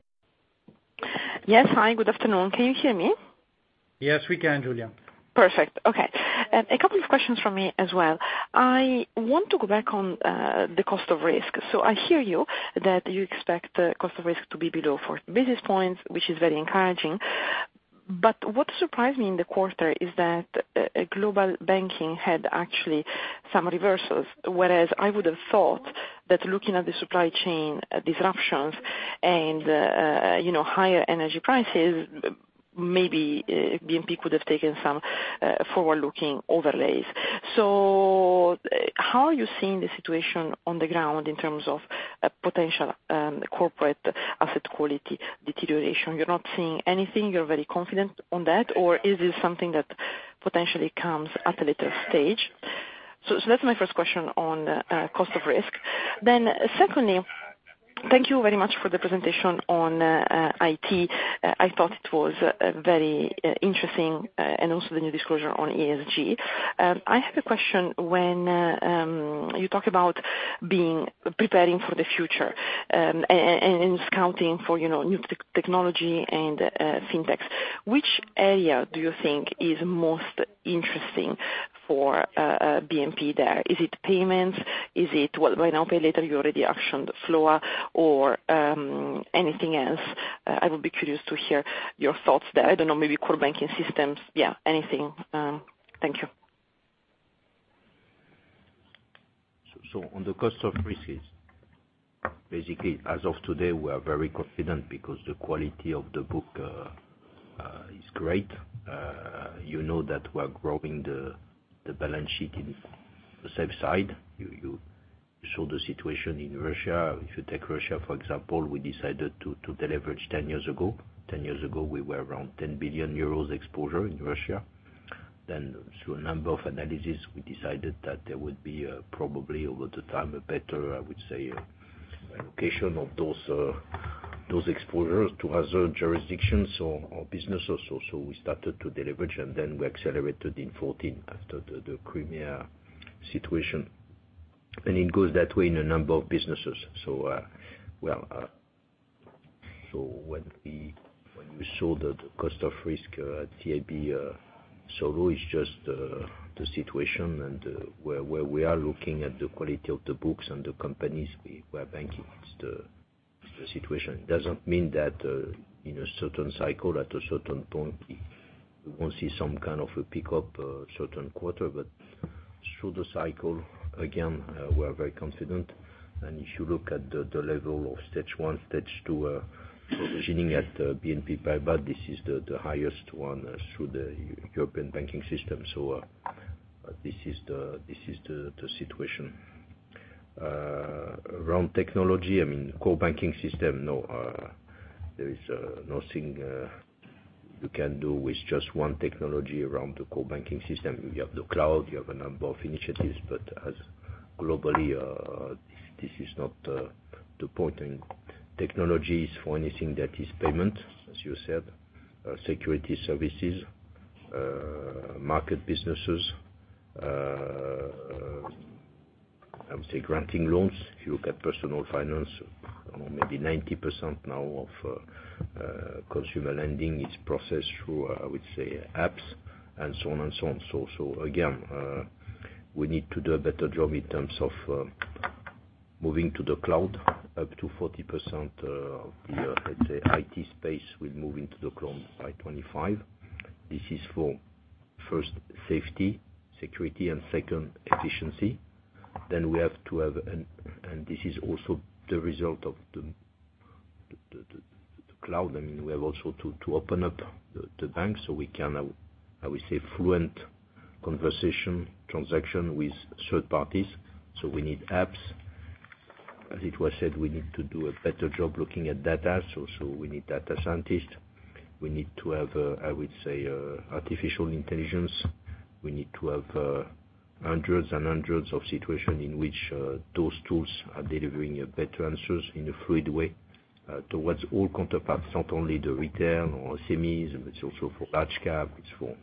Yes. Hi, good afternoon. Can you hear me?
Yes, we can, Giulia.
Perfect. Okay. A couple of questions from me as well. I want to go back on the cost of risk. I hear you that you expect the cost of risk to be below 40 basis points, which is very encouraging. What surprised me in the quarter is that global banking had actually some reversals, whereas I would have thought that looking at the supply chain disruptions and you know higher energy prices, maybe BNP could have taken some forward-looking overlays. How are you seeing the situation on the ground in terms of a potential corporate asset quality deterioration? You're not seeing anything, you're very confident on that, or is this something that potentially comes at a later stage? That's my first question on cost of risk. Thank you very much for the presentation on IT. I thought it was very interesting, and also the new disclosure on ESG. I have a question when you talk about preparing for the future, and scouting for, you know, new technology and FinTechs, which area do you think is most interesting for BNP there? Is it payments? Is it buy now, pay later? You already actioned Floa or anything else? I would be curious to hear your thoughts there. I don't know, maybe core banking systems. Yeah, anything. Thank you.
On the cost of risks, basically as of today, we are very confident because the quality of the book is great. You know that we're growing the balance sheet in the safe side. You saw the situation in Russia. If you take Russia for example, we decided to deleverage 10 years ago. 10 years ago we were around 10 billion euros exposure in Russia. Then through a number of analysis, we decided that there would be probably over time a better, I would say, allocation of those exposures to other jurisdictions or businesses. We started to deleverage, and then we accelerated in 2014 after the Crimea situation. It goes that way in a number of businesses. When we saw that the cost of risk at CIB so low is just the situation and where we are looking at the quality of the books and the companies we are banking, it's the situation. Doesn't mean that in a certain cycle at a certain point we won't see some kind of a pickup certain quarter. Through the cycle, again, we're very confident. If you look at the level of stage one, stage two provisioning at BNP Paribas, this is the highest one through the European banking system. This is the situation. Around technology, I mean, core banking system, no, there is nothing you can do with just one technology around the core banking system. You have the cloud, you have a number of initiatives, but globally, this is not the point. Technology is for anything that is payment, as you said, security services, market businesses, I would say granting loans. If you look at Personal Finance, maybe 90% now of consumer lending is processed through, I would say apps and so on. Again, we need to do a better job in terms of moving to the cloud up to 40% of the, let's say, IT space will move into the cloud by 2025. This is for first safety, security, and second efficiency. We have to have. This is also the result of the cloud. I mean we have also to open up the bank so we can have I would say fluent conversational transactions with third parties. We need apps. As it was said, we need to do a better job looking at data. We need data scientists. We need to have I would say artificial intelligence. We need to have hundreds and hundreds of situations in which those tools are delivering better answers in a fluid way towards all counterparties, not only the retail or SMEs, but it's also for large cap. It's for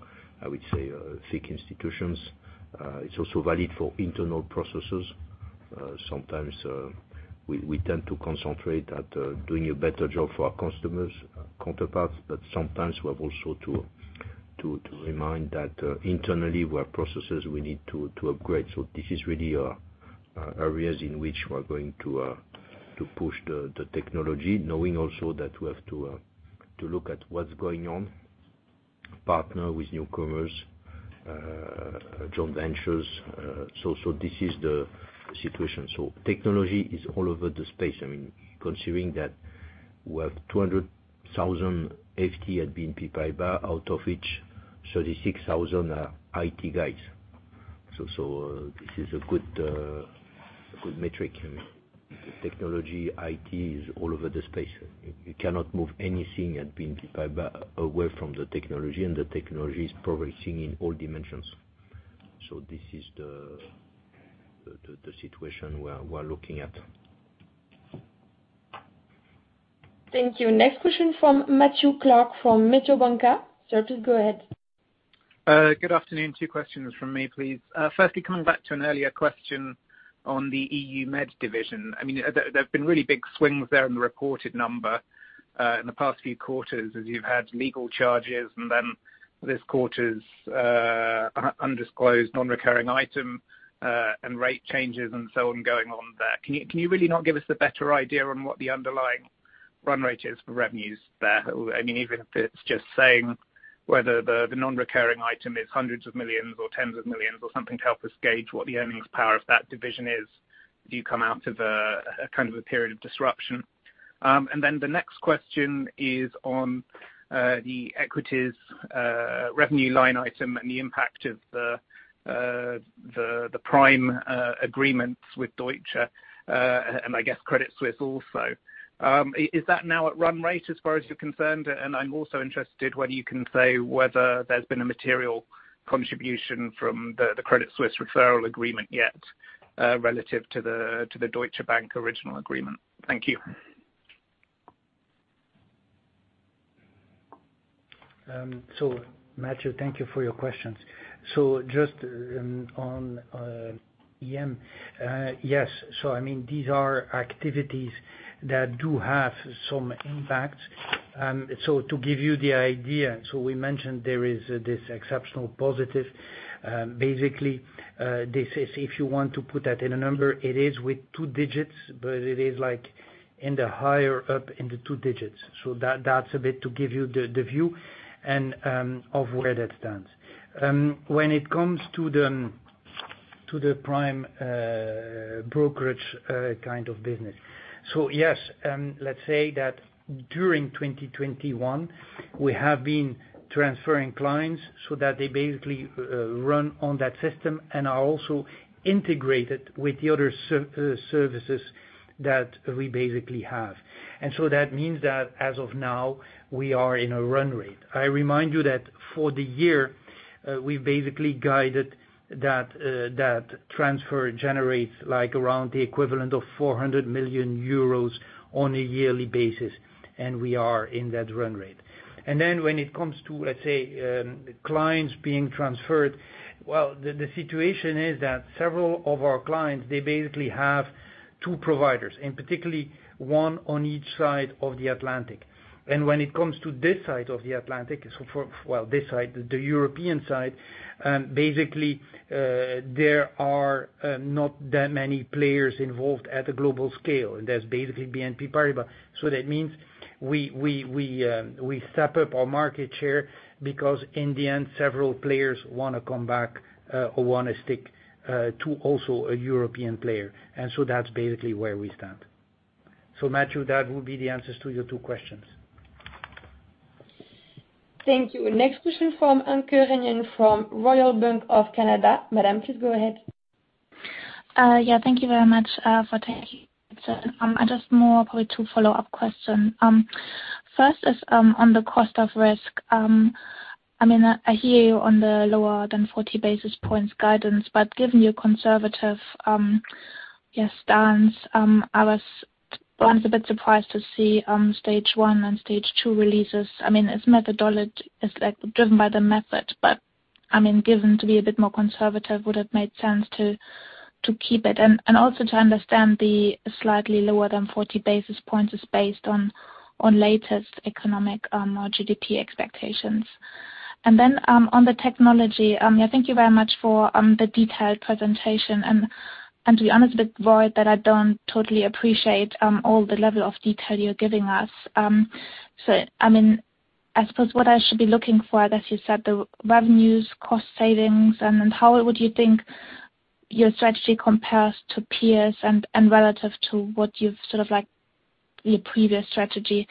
I would say big institutions. It's also valid for internal processes. Sometimes we tend to concentrate at doing a better job for our customers, counterparts, but sometimes we have also to remind that internally where processes we need to upgrade. This is really areas in which we're going to to push the technology, knowing also that we have to to look at what's going on, partner with newcomers, joint ventures. This is the situation. Technology is all over the space. I mean, considering that we have 200,000 FTEs at BNP Paribas, out of which 36,000 are IT guys. This is a good metric. Technology, IT is all over the space. You cannot move anything at BNP Paribas away from the technology, and the technology is progressing in all dimensions. This is the situation we're looking at.
Thank you. Next question from Matthew Clark from Mediobanca. Sir, please go ahead.
Good afternoon. Two questions from me, please. Firstly, coming back to an earlier question on the Europe-Mediterranean division. I mean, there have been really big swings there in the reported number in the past few quarters as you've had legal charges and then this quarter's undisclosed non-recurring item and rate changes and so on going on there. Can you really not give us a better idea on what the underlying run rate is for revenues there? I mean, even if it's just saying whether the non-recurring item is hundreds of millions or tens of millions or something to help us gauge what the earnings power of that division is as you come out of kind of a period of disruption. The next question is on the equities revenue line item and the impact of the prime agreements with Deutsche Bank and I guess Credit Suisse also. Is that now at run rate as far as you're concerned? I'm also interested whether you can say whether there's been a material contribution from the Credit Suisse referral agreement yet, relative to the Deutsche Bank original agreement. Thank you.
Matthew, thank you for your questions. Just on EM, yes. I mean, these are activities that do have some impact. To give you the idea, we mentioned there is this exceptional positive. Basically, this is if you want to put that in a number, it is with two digits, but it is like in the higher up in the two digits. That's a bit to give you the view of where that stands. When it comes to the prime brokerage kind of business. Yes, let's say that during 2021 we have been transferring clients so that they basically run on that system and are also integrated with the other services that we basically have. That means that as of now, we are in a run rate. I remind you that for the year, we basically guided that transfer generates like around the equivalent of 400 million euros on a yearly basis, and we are in that run rate. When it comes to, let's say, clients being transferred, well, the situation is that several of our clients, they basically have two providers, and particularly one on each side of the Atlantic. When it comes to this side of the Atlantic, well, this side, the European side, basically, there are not that many players involved at a global scale. There's basically BNP Paribas. That means we step up our market share because in the end, several players wanna come back, or wanna stick, to also a European player. That's basically where we stand. Matthew, that would be the answers to your two questions.
Thank you. Next question from Anke Reingen from Royal Bank of Canada. Madam, please go ahead.
Thank you very much for taking this. I just have probably two follow-up questions. First is on the cost of risk. I mean, I hear you on the lower than 40 basis points guidance, but given your conservative stance, I was a bit surprised to see Stage 1 and Stage 2 releases. I mean, it's like driven by the method, but I mean, given you'd be a bit more conservative, would've made sense to keep it. Also to understand the slightly lower than 40 basis points is based on latest economic or GDP expectations. On the technology, yeah, thank you very much for the detailed presentation. To be honest, a bit worried that I don't totally appreciate all the level of detail you're giving us. I mean, I suppose what I should be looking for, as you said, the revenues, cost savings, and then how would you think your strategy compares to peers and relative to what you've sort of like your previous strategy.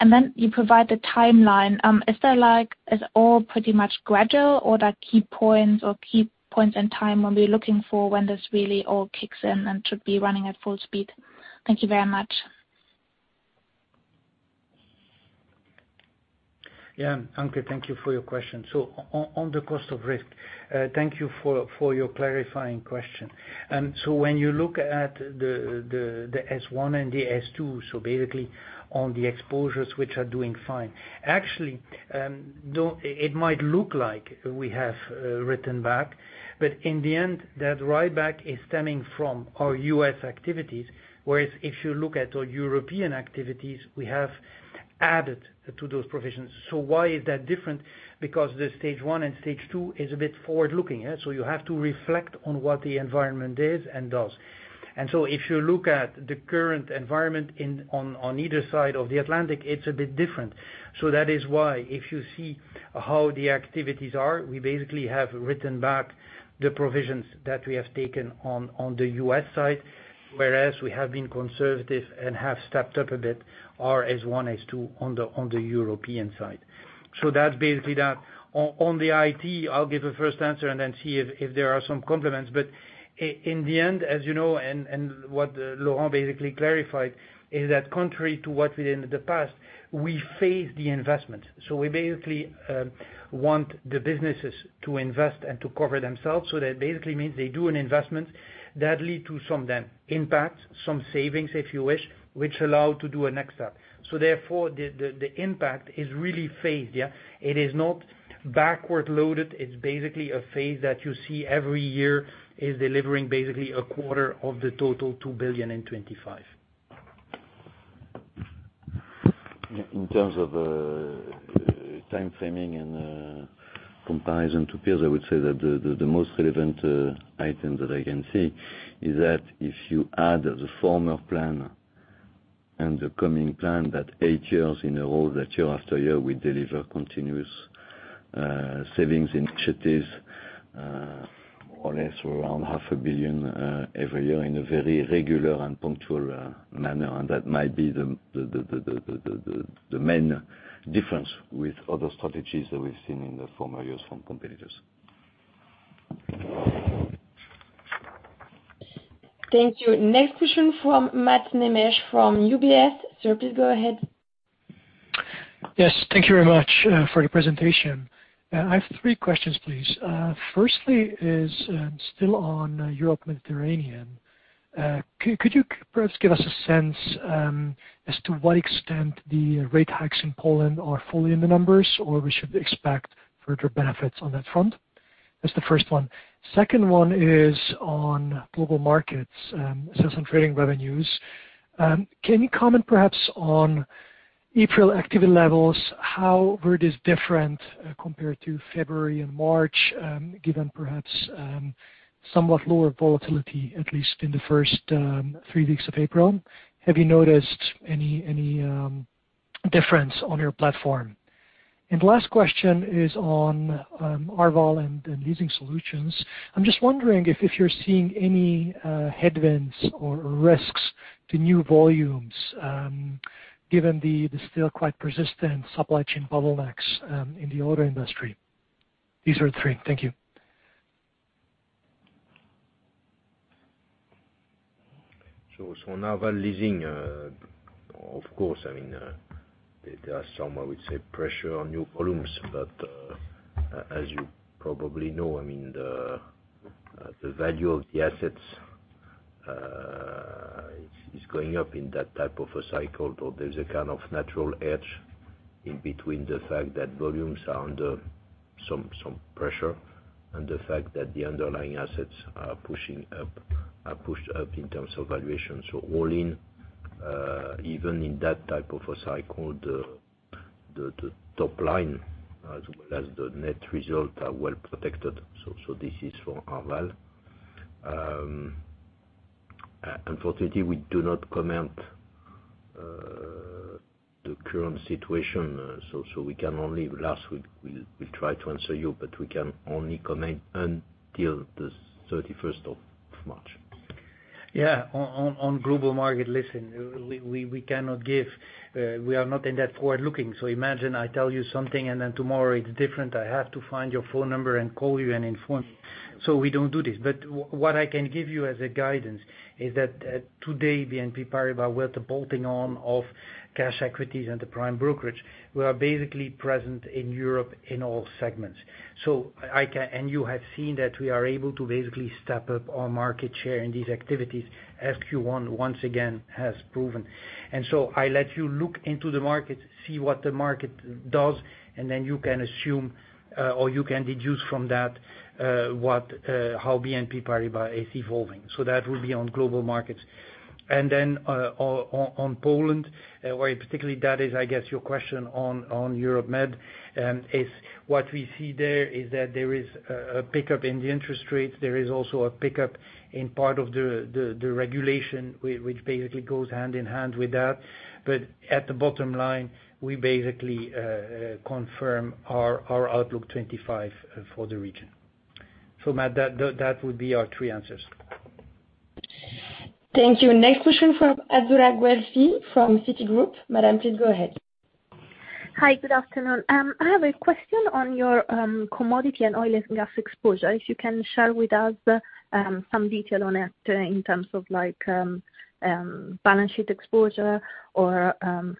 Then you provide the timeline. Is there like, is it all pretty much gradual, or key points in time are we looking for when this really all kicks in and should be running at full speed? Thank you very much.
Yeah. Anke, thank you for your question. On the cost of risk, thank you for your clarifying question. When you look at the stage one and the stage two, basically on the exposures which are doing fine. Actually, though it might look like we have written back, but in the end that write back is stemming from our U.S. activities. Whereas if you look at our European activities, we have added to those provisions. Why is that different? Because the stage one and stage two is a bit forward-looking, yeah? You have to reflect on what the environment is and does. If you look at the current environment on either side of the Atlantic, it's a bit different. That is why if you see how the activities are, we basically have written back the provisions that we have taken on the US side, whereas we have been conservative and have stepped up a bit our Stage 1, Stage 2 on the European side. That's basically that. On the IT, I'll give a first answer and then see if there are some complements. In the end, as you know and what Laurent basically clarified is that contrary to what we did in the past, we fund the investment. We basically want the businesses to invest and to cover themselves. That basically means they do an investment that lead to some then impact, some savings if you wish, which allow to do a next step. Therefore, the impact is really phased. It is not back-loaded. It's basically a phase that you see every year is delivering basically a quarter of the total 2 billion in 2025.
In terms of time framing and comparison to peers, I would say that the most relevant item that I can see is that if you add the former plan and the coming plan, that eight years in a row, that year after year, we deliver continuous savings initiatives more or less around half a billion PLN every year in a very regular and punctual manner. That might be the main difference with other strategies that we've seen in the former years from competitors.
Thank you. Next question from Matthew Mish from UBS. Sir, please go ahead.
Yes. Thank you very much for the presentation. I have three questions, please. Firstly is still on Europe-Mediterranean. Could you perhaps give us a sense as to what extent the rate hikes in Poland are fully in the numbers or we should expect further benefits on that front? That's the first one. Second one is on Global Markets sales and trading revenues. Can you comment perhaps on April activity levels, how were this different compared to February and March, given perhaps somewhat lower volatility, at least in the first three weeks of April? Have you noticed any difference on your platform? The last question is on Arval and Leasing Solutions. I'm just wondering if you're seeing any headwinds or risks to new volumes, given the still quite persistent supply chain bottlenecks in the auto industry. These are the three. Thank you.
Now leasing, of course, I mean, there are some, I would say, pressure on new volumes. As you probably know, I mean, the value of the assets is going up in that type of a cycle. There's a kind of natural hedge in between the fact that volumes are under some pressure and the fact that the underlying assets are pushed up in terms of valuation. All in, even in that type of a cycle, the top line as well as the net result are well protected. This is for Arval. Unfortunately, we do not comment on the current situation, so last week we tried to answer you, but we can only comment until the 31st of March.
On global market, listen, we cannot give, we are not in that forward-looking. Imagine I tell you something, and then tomorrow it's different. I have to find your phone number and call you and inform. We don't do this. But what I can give you as a guidance is that, today, BNP Paribas with the bolting on of cash equities and the prime brokerage, we are basically present in Europe in all segments. You have seen that we are able to basically step up our market share in these activities as Q1 once again has proven. I let you look into the market, see what the market does, and then you can assume, or you can deduce from that, what, how BNP Paribas is evolving. That will be on global markets. On Poland, where particularly that is, I guess, your question on Europe Med, is what we see there is that there is a pickup in the interest rates. There is also a pickup in part of the regulation which basically goes hand in hand with that. At the bottom line, we basically confirm our outlook 2025 for the region. Matt, that would be our three answers.
Thank you. Next question from Azzurra Guelfi from Citigroup. Madam, please go ahead.
Hi. Good afternoon. I have a question on your commodity and oil and gas exposure. If you can share with us some detail on it in terms of like balance sheet exposure or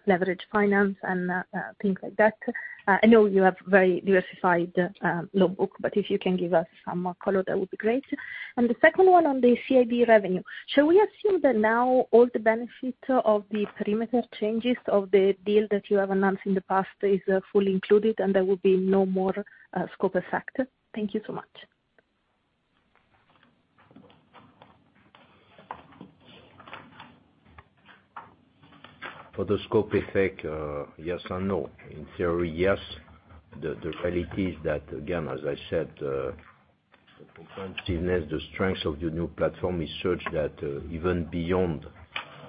leverage finance and things like that. I know you have very diversified loan book, but if you can give us some more color, that would be great. The second one on the CIB revenue, shall we assume that now all the benefit of the perimeter changes of the deal that you have announced in the past is fully included and there will be no more scope effect? Thank you so much.
For the scope effect, yes and no. In theory, yes. The reality is that, again, as I said, the strength of the new platform is such that, even beyond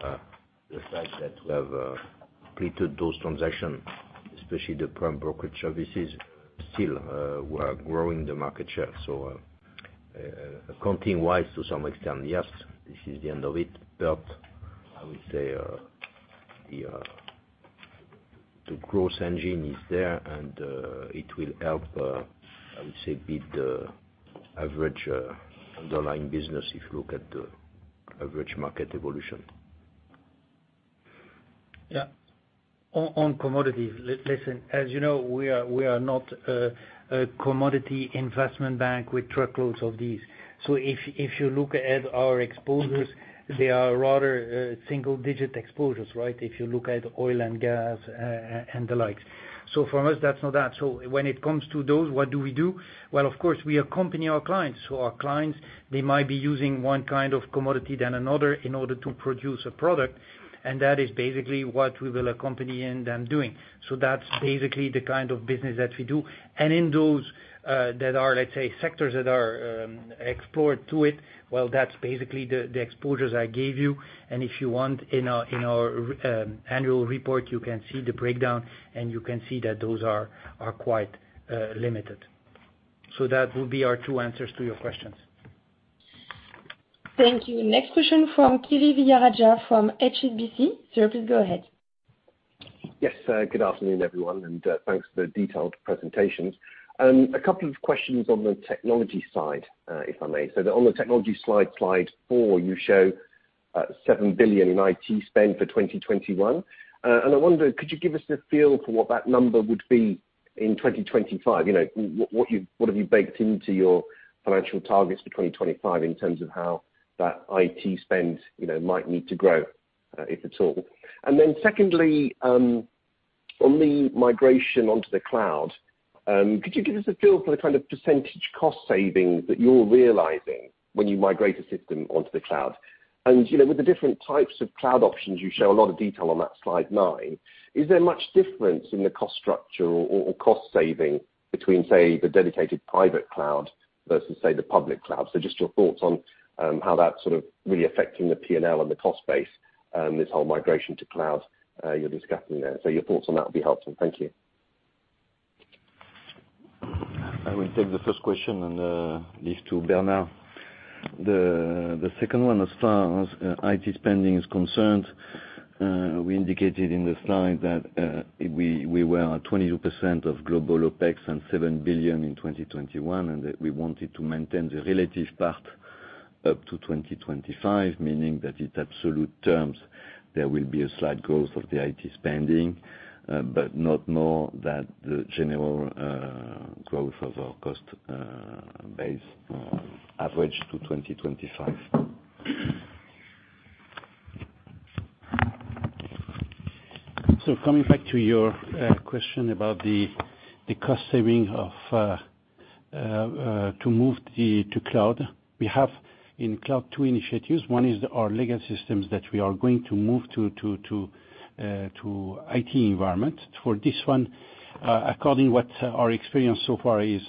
the fact that we have completed those transactions, especially the prime brokerage services, still, we're growing the market share. Accounting-wise, to some extent, yes, this is the end of it. I would say, the growth engine is there, and it will help, I would say, beat the average underlying business if you look at the average market evolution.
Yeah. Listen, as you know, we are not a commodity investment bank with truckloads of these. If you look at our exposures, they are rather single digit exposures, right? If you look at oil and gas and the likes. For us, that's not that. When it comes to those, what do we do? Well, of course, we accompany our clients. Our clients, they might be using one kind of commodity or another in order to produce a product, and that is basically what we will accompany them in doing. That's basically the kind of business that we do. In those that are, let's say, sectors that are exposed to it, well, that's basically the exposures I gave you. If you want, in our annual report, you can see the breakdown, and you can see that those are quite limited. That would be our two answers to your questions.
Thank you. Next question from Kiri Vijayarajah from HSBC. Sir, please go ahead.
Yes, sir. Good afternoon, everyone, and thanks for the detailed presentations. A couple of questions on the technology side, if I may. On the technology slide four, you show 7 billion in IT spend for 2021. And I wonder, could you give us a feel for what that number would be in 2025? You know, what have you baked into your financial targets for 2025 in terms of how that IT spend, you know, might need to grow, if at all. And then secondly, on the migration onto the cloud, could you give us a feel for the kind of percentage cost savings that you're realizing when you migrate a system onto the cloud? You know, with the different types of cloud options, you show a lot of detail on that slide 9, is there much difference in the cost structure or cost saving between, say, the dedicated private cloud versus, say, the public cloud? Just your thoughts on how that's sort of really affecting the P&L and the cost base and this whole migration to cloud you're discussing there. Your thoughts on that would be helpful. Thank you.
I will take the first question and leave to Bernard the second one, as far as IT spending is concerned, we indicated in the slide that we were at 22% of global OpEx and 7 billion in 2021, and that we wanted to maintain the relative part up to 2025, meaning that in absolute terms, there will be a slight growth of the IT spending, but not more than the general growth of our cost base average to 2025.
Coming back to your question about the cost saving of moving to cloud. We have in cloud two initiatives. One is our legacy systems that we are going to move to IT environment. For this one, according to what our experience so far is,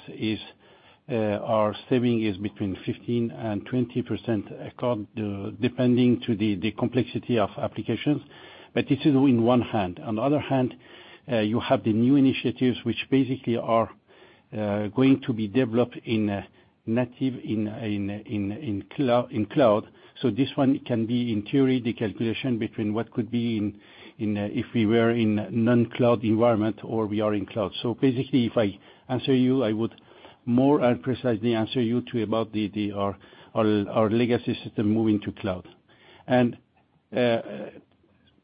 our saving is between 15%-20% according, depending on the complexity of applications. But this is on one hand. On the other hand, you have the new initiatives which basically are going to be developed natively in cloud. This one can be, in theory, the calculation between what could be in a if we were in non-cloud environment or we are in cloud. Basically, if I answer you, I would more precisely answer you about our legacy system moving to cloud.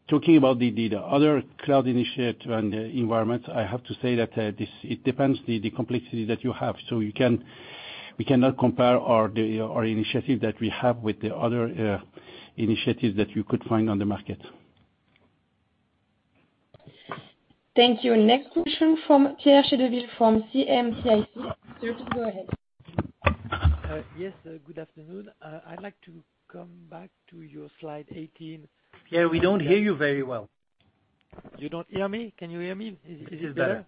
Talking about the other cloud initiative and the environment, I have to say that it depends on the complexity that you have. We cannot compare our initiative that we have with the other initiatives that you could find on the market.
Thank you. Next question from Pierre Chedeville from CM-CIC Securities. Pierre, go ahead.
Yes, good afternoon. I'd like to come back to your slide 18.
Pierre, we don't hear you very well.
You don't hear me? Can you hear me? Is it better?
It's better.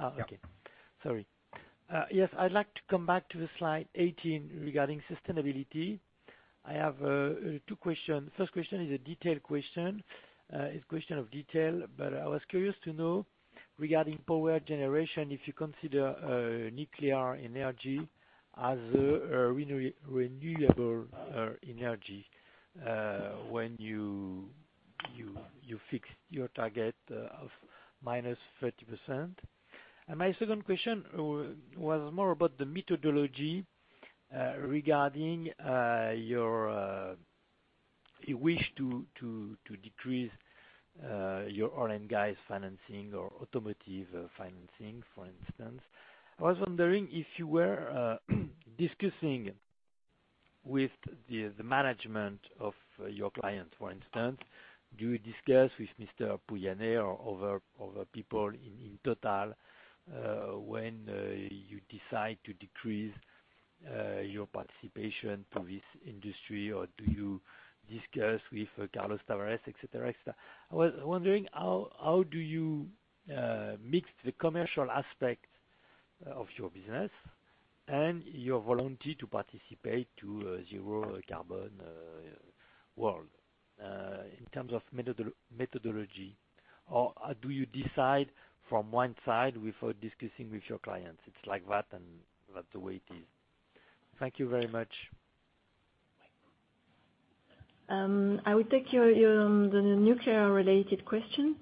Oh, okay.
Yeah.
Sorry. Yes, I'd like to come back to the slide 18 regarding sustainability. I have two questions. First question is a detailed question. It's a question of detail, but I was curious to know regarding power generation, if you consider nuclear energy as a renewable energy when you fix your target of -30%. My second question was more about the methodology regarding your wish to decrease your oil and gas financing or automotive financing, for instance. I was wondering if you were discussing with the management of your clients, for instance. Do you discuss with Mr. Pouyanné or other people in TotalEnergies when you decide to decrease your participation to this industry? Or do you discuss with Carlos Tavares, et cetera, et cetera? I was wondering how do you mix the commercial aspect of your business and your volunteer to participate to a zero carbon world in terms of methodology. Or do you decide from one side before discussing with your clients? It's like that and that's the way it is. Thank you very much.
I will take your the nuclear related question.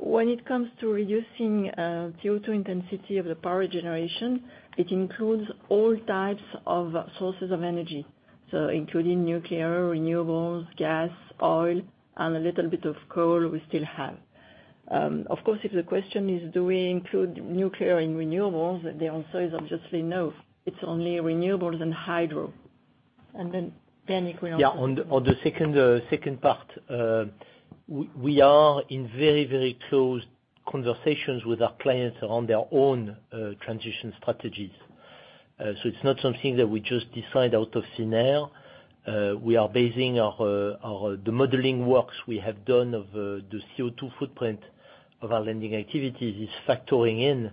When it comes to reducing CO2 intensity of the power generation, it includes all types of sources of energy. Including nuclear, renewables, gas, oil, and a little bit of coal we still have. Of course, if the question is do we include nuclear and renewables, the answer is obviously no. It's only renewables and hydro. Then, Bernard, you answer.
On the second part, we are in very close conversations with our clients around their own transition strategies. It's not something that we just decide out of thin air. We are basing our modeling works we have done of the CO2 footprint of our lending activities is factoring in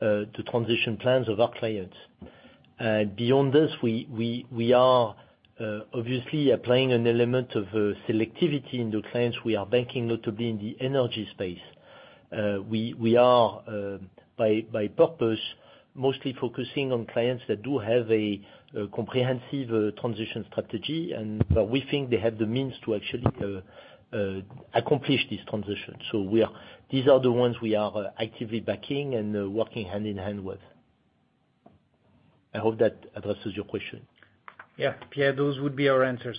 the transition plans of our clients. Beyond this, we are obviously applying an element of selectivity in the clients we are banking, not to be in the energy space. We are by purpose
Mostly focusing on clients that do have a comprehensive transition strategy, and we think they have the means to actually accomplish this transition. These are the ones we are actively backing and working hand-in-hand with. I hope that addresses your question.
Yeah. Pierre, those would be our answers.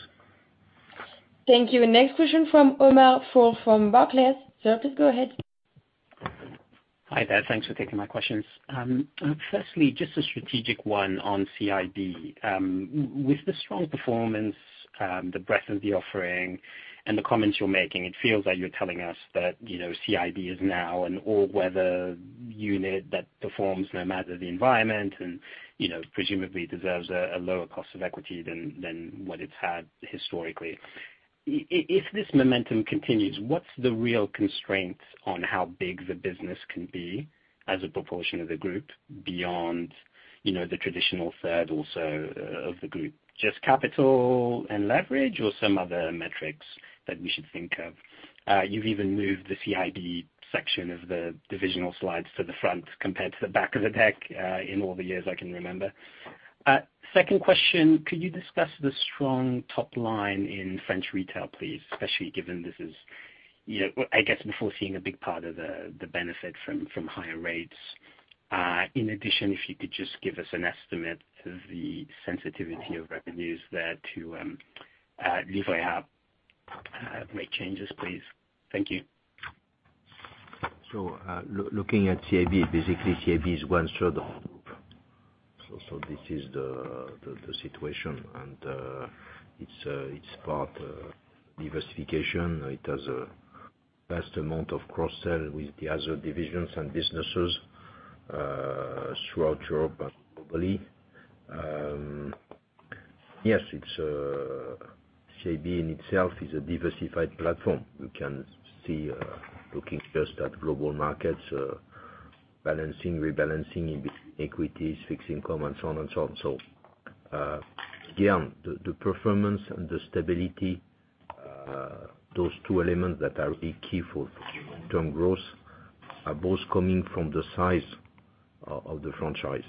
Thank you. Next question from Omar Fall from Barclays. Sir, please go ahead.
Hi there. Thanks for taking my questions. Firstly, just a strategic one on CIB. With the strong performance, the breadth of the offering and the comments you're making, it feels like you're telling us that, you know, CIB is now an all-weather unit that performs no matter the environment and, you know, presumably deserves a lower cost of equity than what it's had historically. If this momentum continues, what's the real constraints on how big the business can be as a proportion of the group beyond, you know, the traditional third or so of the group? Just capital and leverage or some other metrics that we should think of? You've even moved the CIB section of the divisional slides to the front compared to the back of the deck in all the years I can remember. Second question, could you discuss the strong top line in French Retail, please, especially given this is, you know, I guess, before seeing a big part of the benefit from higher rates. In addition, if you could just give us an estimate of the sensitivity of revenues there to Livret A rate changes, please. Thank you.
Looking at CIB, basically, CIB is 1/3 of the group. This is the situation, and it's part of diversification. It has a vast amount of cross-sell with the other divisions and businesses throughout Europe and globally. Yes, CIB in itself is a diversified platform. You can see, looking just at global markets, balancing, rebalancing in equities, fixed income, and so on. Again, the performance and the stability, those two elements that are a key for long-term growth are both coming from the size of the franchise.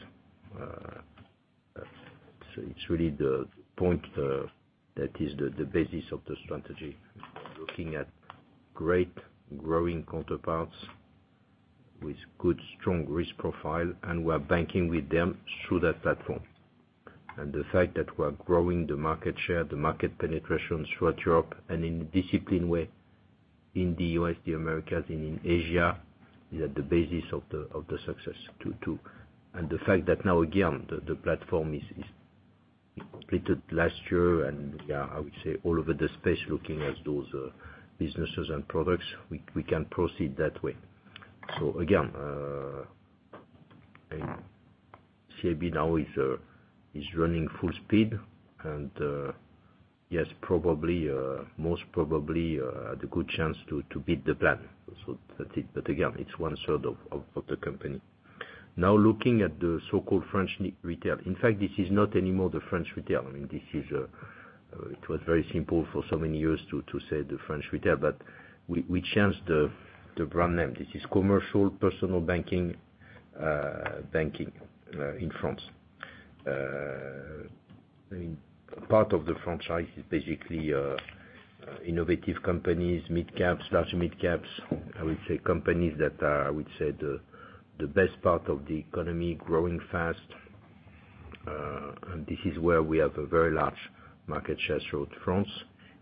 It's really the point that is the basis of the strategy. Looking at great growing counterparts with good, strong risk profile, and we're banking with them through that platform. The fact that we're growing the market share, the market penetration throughout Europe, and in a disciplined way in the U.S., the Americas, and in Asia, is at the basis of the success. The fact that now, again, the platform is completed last year, and we are, I would say, all over the space looking at those businesses and products, we can proceed that way. Again, CIB now is running full speed, and yes, probably, most probably, the good chance to beat the plan. That is, but again, it's one-third of the company. Looking at the so-called French Retail. In fact, this is not any more the French Retail. I mean, this is it was very simple for so many years to say the French Retail, but we changed the brand name. This is commercial personal banking in France. I mean, part of the franchise is basically innovative companies, midcaps, large midcaps. I would say companies that are I would say the best part of the economy, growing fast. This is where we have a very large market share throughout France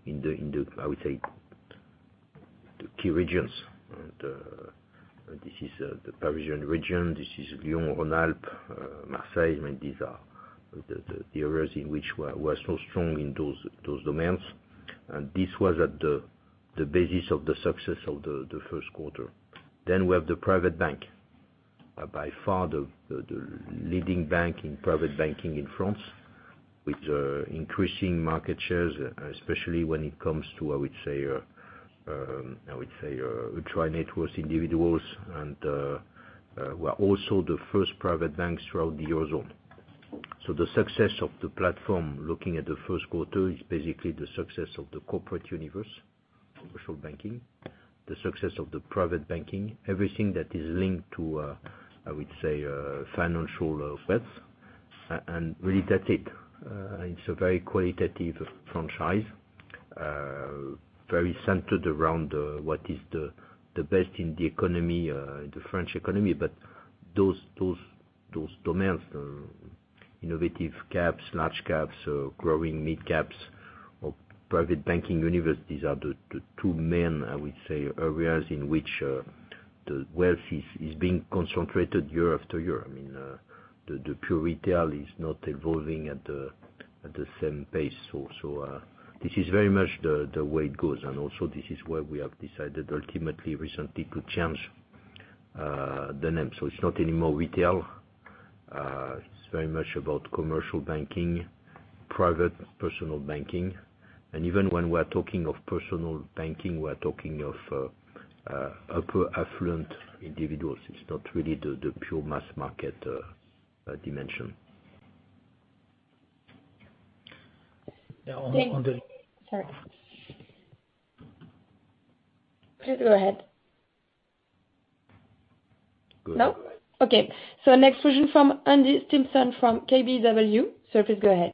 in the key regions. This is the Parisian region, this is Lyon, Rhône-Alpes, Marseille. I mean, these are the areas in which we are so strong in those domains. This was at the basis of the success of the first quarter. We have the private bank, by far the leading bank in private banking in France, with increasing market shares, especially when it comes to, I would say, ultra-high net worth individuals. We are also the first private bank throughout the Eurozone. The success of the platform, looking at the first quarter, is basically the success of the corporate universe, commercial banking, the success of the private banking, everything that is linked to, I would say, financial wealth. Really that's it. It's a very qualitative franchise, very centered around what is the best in the economy, the French economy. Those domains, innovative caps, large caps, growing midcaps or private banking universe, these are the two main, I would say, areas in which the wealth is being concentrated year after year. I mean, the pure retail is not evolving at the same pace. This is very much the way it goes. This is where we have decided ultimately recently to change the name. It's not any more retail. It's very much about commercial banking, private personal banking. Even when we're talking of personal banking, we're talking of upper affluent individuals. It's not really the pure mass market dimension.
Yeah, on the.
Sorry. Please go ahead.
Go ahead.
No? Okay. Next question from Andrew Stimpson from KBW. Please go ahead.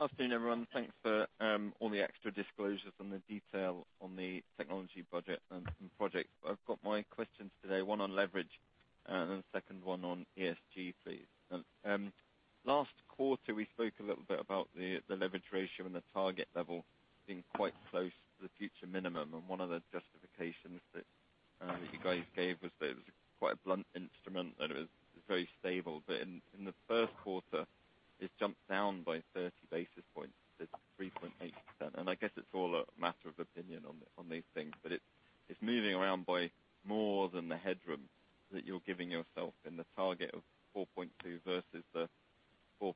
Afternoon, everyone. Thanks for all the extra disclosures and the detail on the technology budget and project. I've got my questions today, one on leverage, and the second one on ESG, please. Last quarter, we spoke a little bit about the leverage ratio and the target level being quite close to the future minimum. One of the justifications that you guys gave was that it was quite a blunt instrument, that it was very stable. In the first quarter, it jumped down by 30 basis points to 3.8%. I guess it's all a matter of opinion on these things, but it's moving around by more than the headroom that you're giving yourself in the target of 4.2 versus the 4%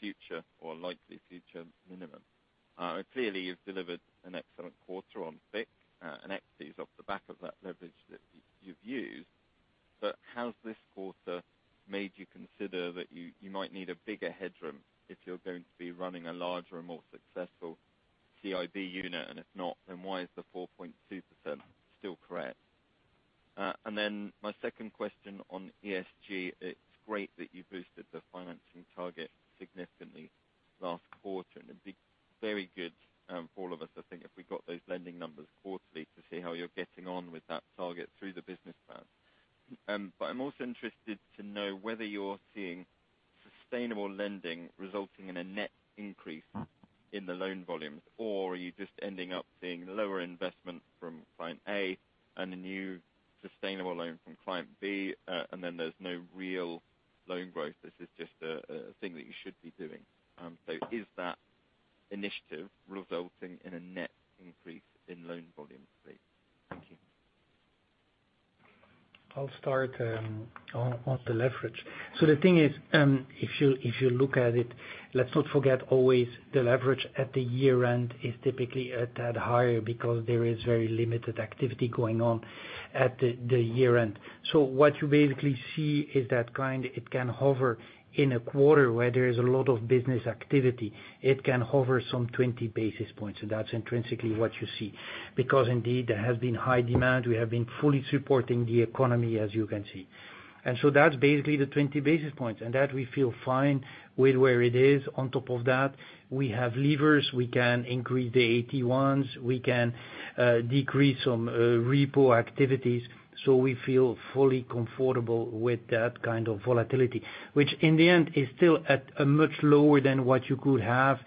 future or likely future minimum. Clearly you've delivered an excellent quarter on FICC and equities off the back of that leverage that you've used, but how's this quarter made you consider that you might need a bigger headroom if you're going to be running a larger and more successful CIB unit? If not, then why is the 4.2% still correct? Then my second question on ESG. It's great that you boosted the financing target significantly last quarter, and it'd be very good for all of us, I think, if we got those lending numbers quarterly to see how you're getting on with that target through the business plan. I'm also interested to know whether you're seeing sustainable lending resulting in a net increase in the loan volumes, or are you just ending up seeing lower investment from client A and a new sustainable loan from client B, and then there's no real loan growth, this is just a thing that you should be doing. Is that initiative resulting in a net increase in loan volumes, please? Thank you.
I'll start on the leverage. The thing is, if you look at it, let's not forget always the leverage at the year end is typically a tad higher because there is very limited activity going on at the year end. What you basically see is that it can hover in a quarter where there is a lot of business activity, it can hover some 20 basis points, and that's intrinsically what you see. Because indeed, there has been high demand, we have been fully supporting the economy, as you can see. That's basically the 20 basis points, and we feel fine with where it is. On top of that, we have levers, we can increase the AT1s, we can decrease some repo activities, so we feel fully comfortable with that kind of volatility. Which in the end is still at a much lower than what you could have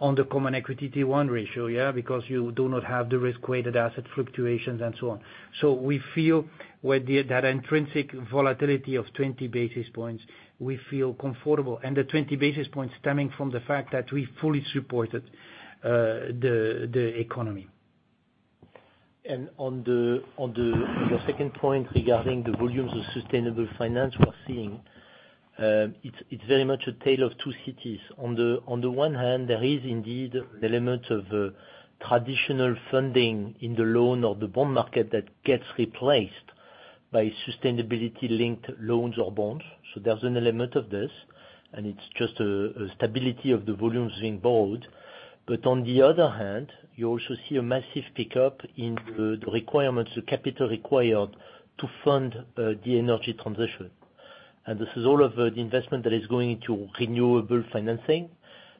on the common equity T1 ratio, yeah? Because you do not have the risk-weighted asset fluctuations and so on. We feel that intrinsic volatility of 20 basis points, we feel comfortable. The 20 basis points stemming from the fact that we fully supported the economy.
On your second point regarding the volumes of sustainable finance we're seeing, it's very much a tale of two cities. On the one hand, there is indeed an element of traditional funding in the loan or the bond market that gets replaced by sustainability-linked loans or bonds. There's an element of this, and it's just a stability of the volumes being borrowed. On the other hand, you also see a massive pickup in the requirements, the capital required to fund the energy transition. This is all of the investment that is going into renewable financing,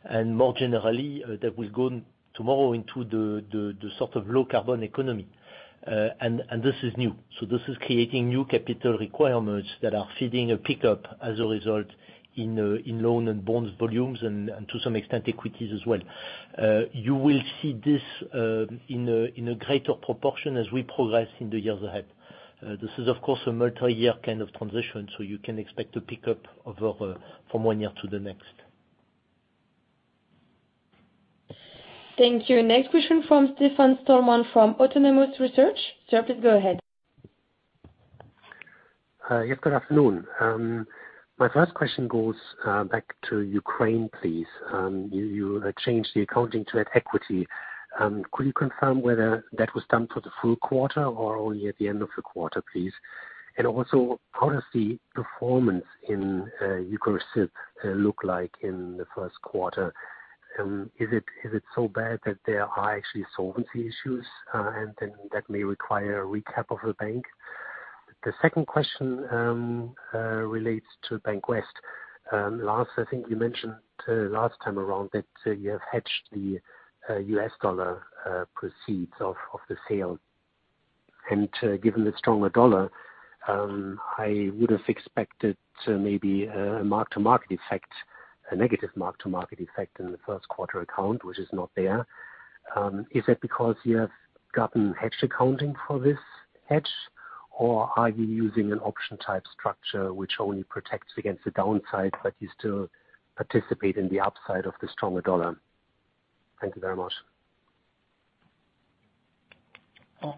and more generally, that will go tomorrow into the sort of low carbon economy. This is new. This is creating new capital requirements that are feeding a pickup as a result in loan and bonds volumes and to some extent, equities as well. You will see this in a greater proportion as we progress in the years ahead. This is of course a multi-year kind of transition, so you can expect to pick up over from one year to the next.
Thank you. Next question from Stefan Stalmann from Autonomous Research. Sir, please go ahead.
Yes, good afternoon. My first question goes back to Ukraine, please. You changed the accounting to add equity. Could you confirm whether that was done for the full quarter or only at the end of the quarter, please? How does the performance in UKRSIBBANK look like in the first quarter? Is it so bad that there are actually solvency issues, and then that may require a recap of the bank? The second question relates to Bankwest. Last, I think you mentioned last time around that you have hedged the U.S. dollar proceeds of the sale. Given the stronger dollar, I would've expected maybe a mark-to-market effect, a negative mark-to-market effect in the first quarter account, which is not there. Is it because you have gotten hedge accounting for this hedge, or are you using an option type structure which only protects against the downside, but you still participate in the upside of the stronger U.S. dollar? Thank you very much.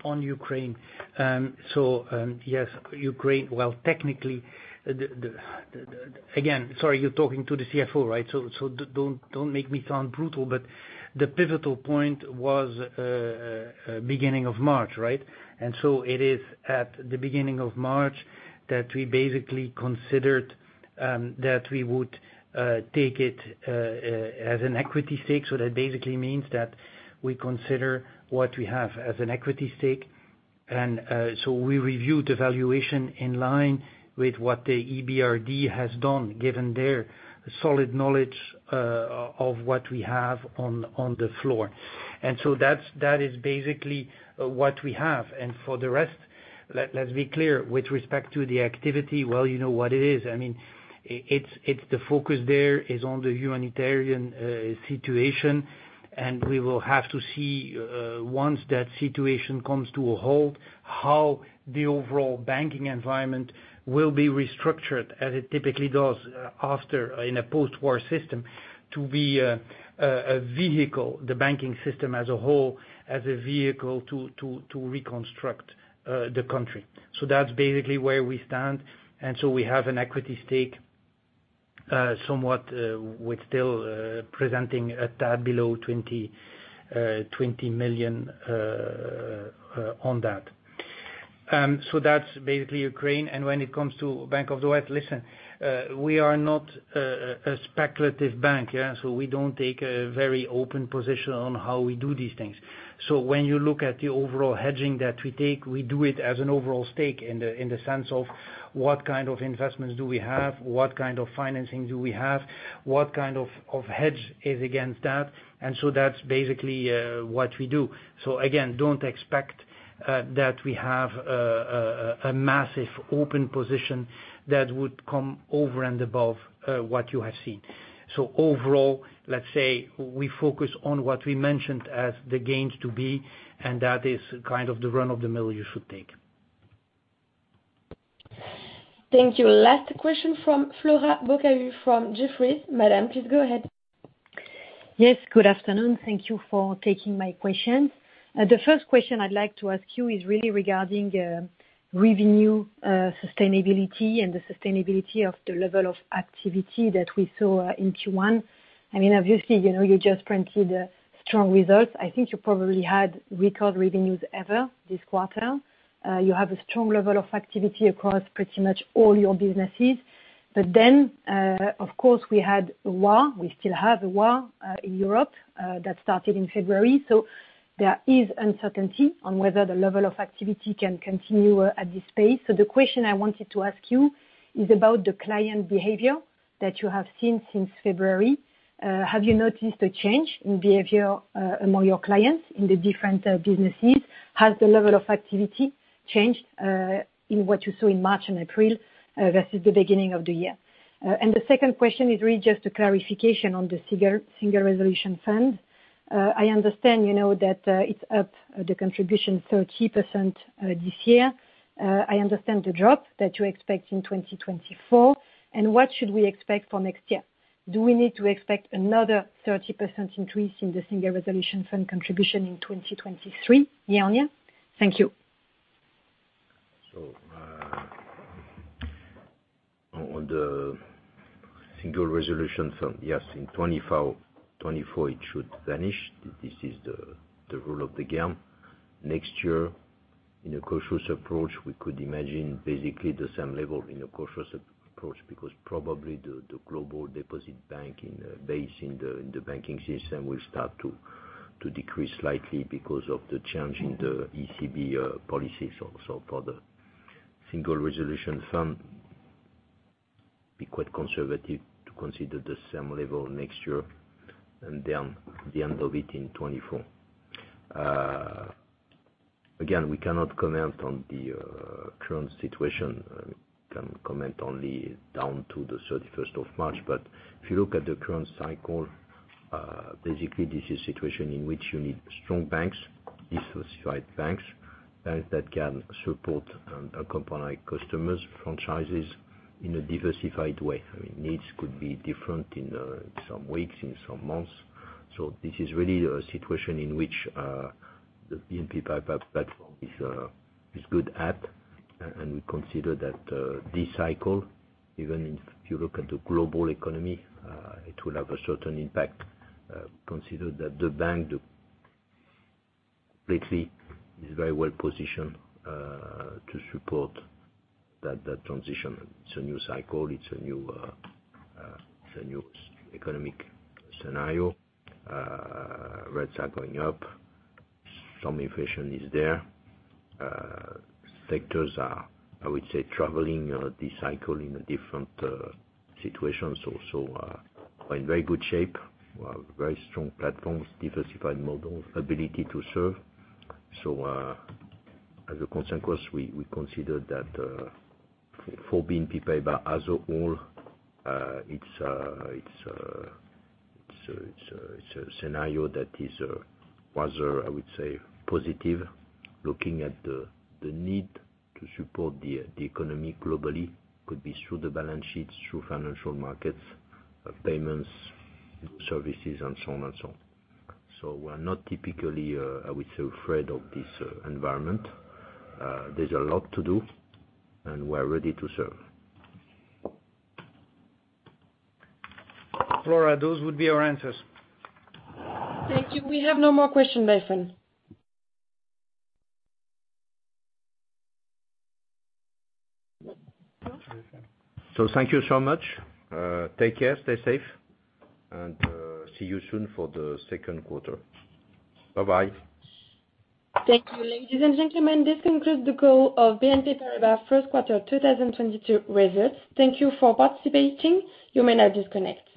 On Ukraine. Yes, Ukraine, well, technically. Again, sorry, you're talking to the CFO, right? So don't make me sound brutal, but the pivotal point was beginning of March, right? It is at the beginning of March that we basically considered That we would take it as an equity stake. That basically means that we consider what we have as an equity stake. We reviewed the valuation in line with what the EBRD has done, given their solid knowledge of what we have on the floor. That is basically what we have. For the rest, let's be clear. With respect to the activity, well, you know what it is. I mean, it's the focus there is on the humanitarian situation. We will have to see once that situation comes to a halt, how the overall banking environment will be restructured, as it typically does after in a post-war system to be a vehicle, the banking system as a whole, as a vehicle to reconstruct the country. That's basically where we stand. We have an equity stake, somewhat, with still presenting a tad below 20 million on that. That's basically Ukraine. When it comes to Bank of the West, listen, we are not a speculative bank. We don't take a very open position on how we do these things. When you look at the overall hedging that we take, we do it as an overall stake in the sense of what kind of investments do we have, what kind of financing do we have, what kind of hedge is against that. That's basically what we do. Again, don't expect that we have a massive open position that would come over and above what you have seen. Overall, let's say we focus on what we mentioned as the gains to be, and that is kind of the run-of-the-mill you should take.
Thank you. Last question from Flora Bocahut from Jefferies. Madam, please go ahead.
Yes, good afternoon. Thank you for taking my question. The first question I'd like to ask you is really regarding revenue sustainability and the sustainability of the level of activity that we saw in Q1. I mean, obviously, you know, you just printed strong results. I think you probably had record revenues ever this quarter. You have a strong level of activity across pretty much all your businesses. Of course, we had war, we still have a war in Europe that started in February, so there is uncertainty on whether the level of activity can continue at this pace. The question I wanted to ask you is about the client behavior that you have seen since February. Have you noticed a change in behavior among your clients in the different businesses? Has the level of activity changed in what you saw in March and April versus the beginning of the year? The second question is really just a clarification on the Single Resolution Fund. I understand, you know, that it's up the contribution 30% this year. I understand the drop that you expect in 2024. What should we expect for next year? Do we need to expect another 30% increase in the Single Resolution Fund contribution in 2023 year on year? Thank you.
On the Single Resolution Fund, yes, in 2024, it should vanish. This is the rule of the game. Next year, in a cautious approach, we could imagine basically the same level in a cautious approach, because probably the global deposit base in the banking system will start to decrease slightly because of the change in the ECB policy. For the Single Resolution Fund, be quite conservative to consider the same level next year and down to the end of it in 2024. Again, we cannot comment on the current situation. Can comment only down to the 31st of March. If you look at the current cycle, basically this is a situation in which you need strong banks, diversified banks that can support a company customers, franchises in a diversified way. I mean, needs could be different in some weeks, in some months. This is really a situation in which the BNP Paribas platform is good at. And we consider that this cycle, even if you look at the global economy, it will have a certain impact, consider that the bank completely is very well positioned to support that transition. It's a new cycle. It's a new economic scenario. Rates are going up. Some inflation is there. Sectors are, I would say, traversing this cycle in a different situation. Are in very good shape. We have very strong platforms, diversified models, ability to serve. As a consequence, we consider that for BNP Paribas as a whole, it's a scenario that is rather, I would say, positive, looking at the need to support the economy globally. Could be through the balance sheets, through financial markets, payments, services, and so on and so on. We're not typically, I would say, afraid of this environment. There's a lot to do, and we're ready to serve.
Floa, those would be our answers.
Thank you. We have no more question, Nathan.
Thank you so much. Take care, stay safe, and see you soon for the second quarter. Bye-bye.
Thank you. Ladies and gentlemen, this concludes the call of BNP Paribas first quarter 2022 results. Thank you for participating. You may now disconnect.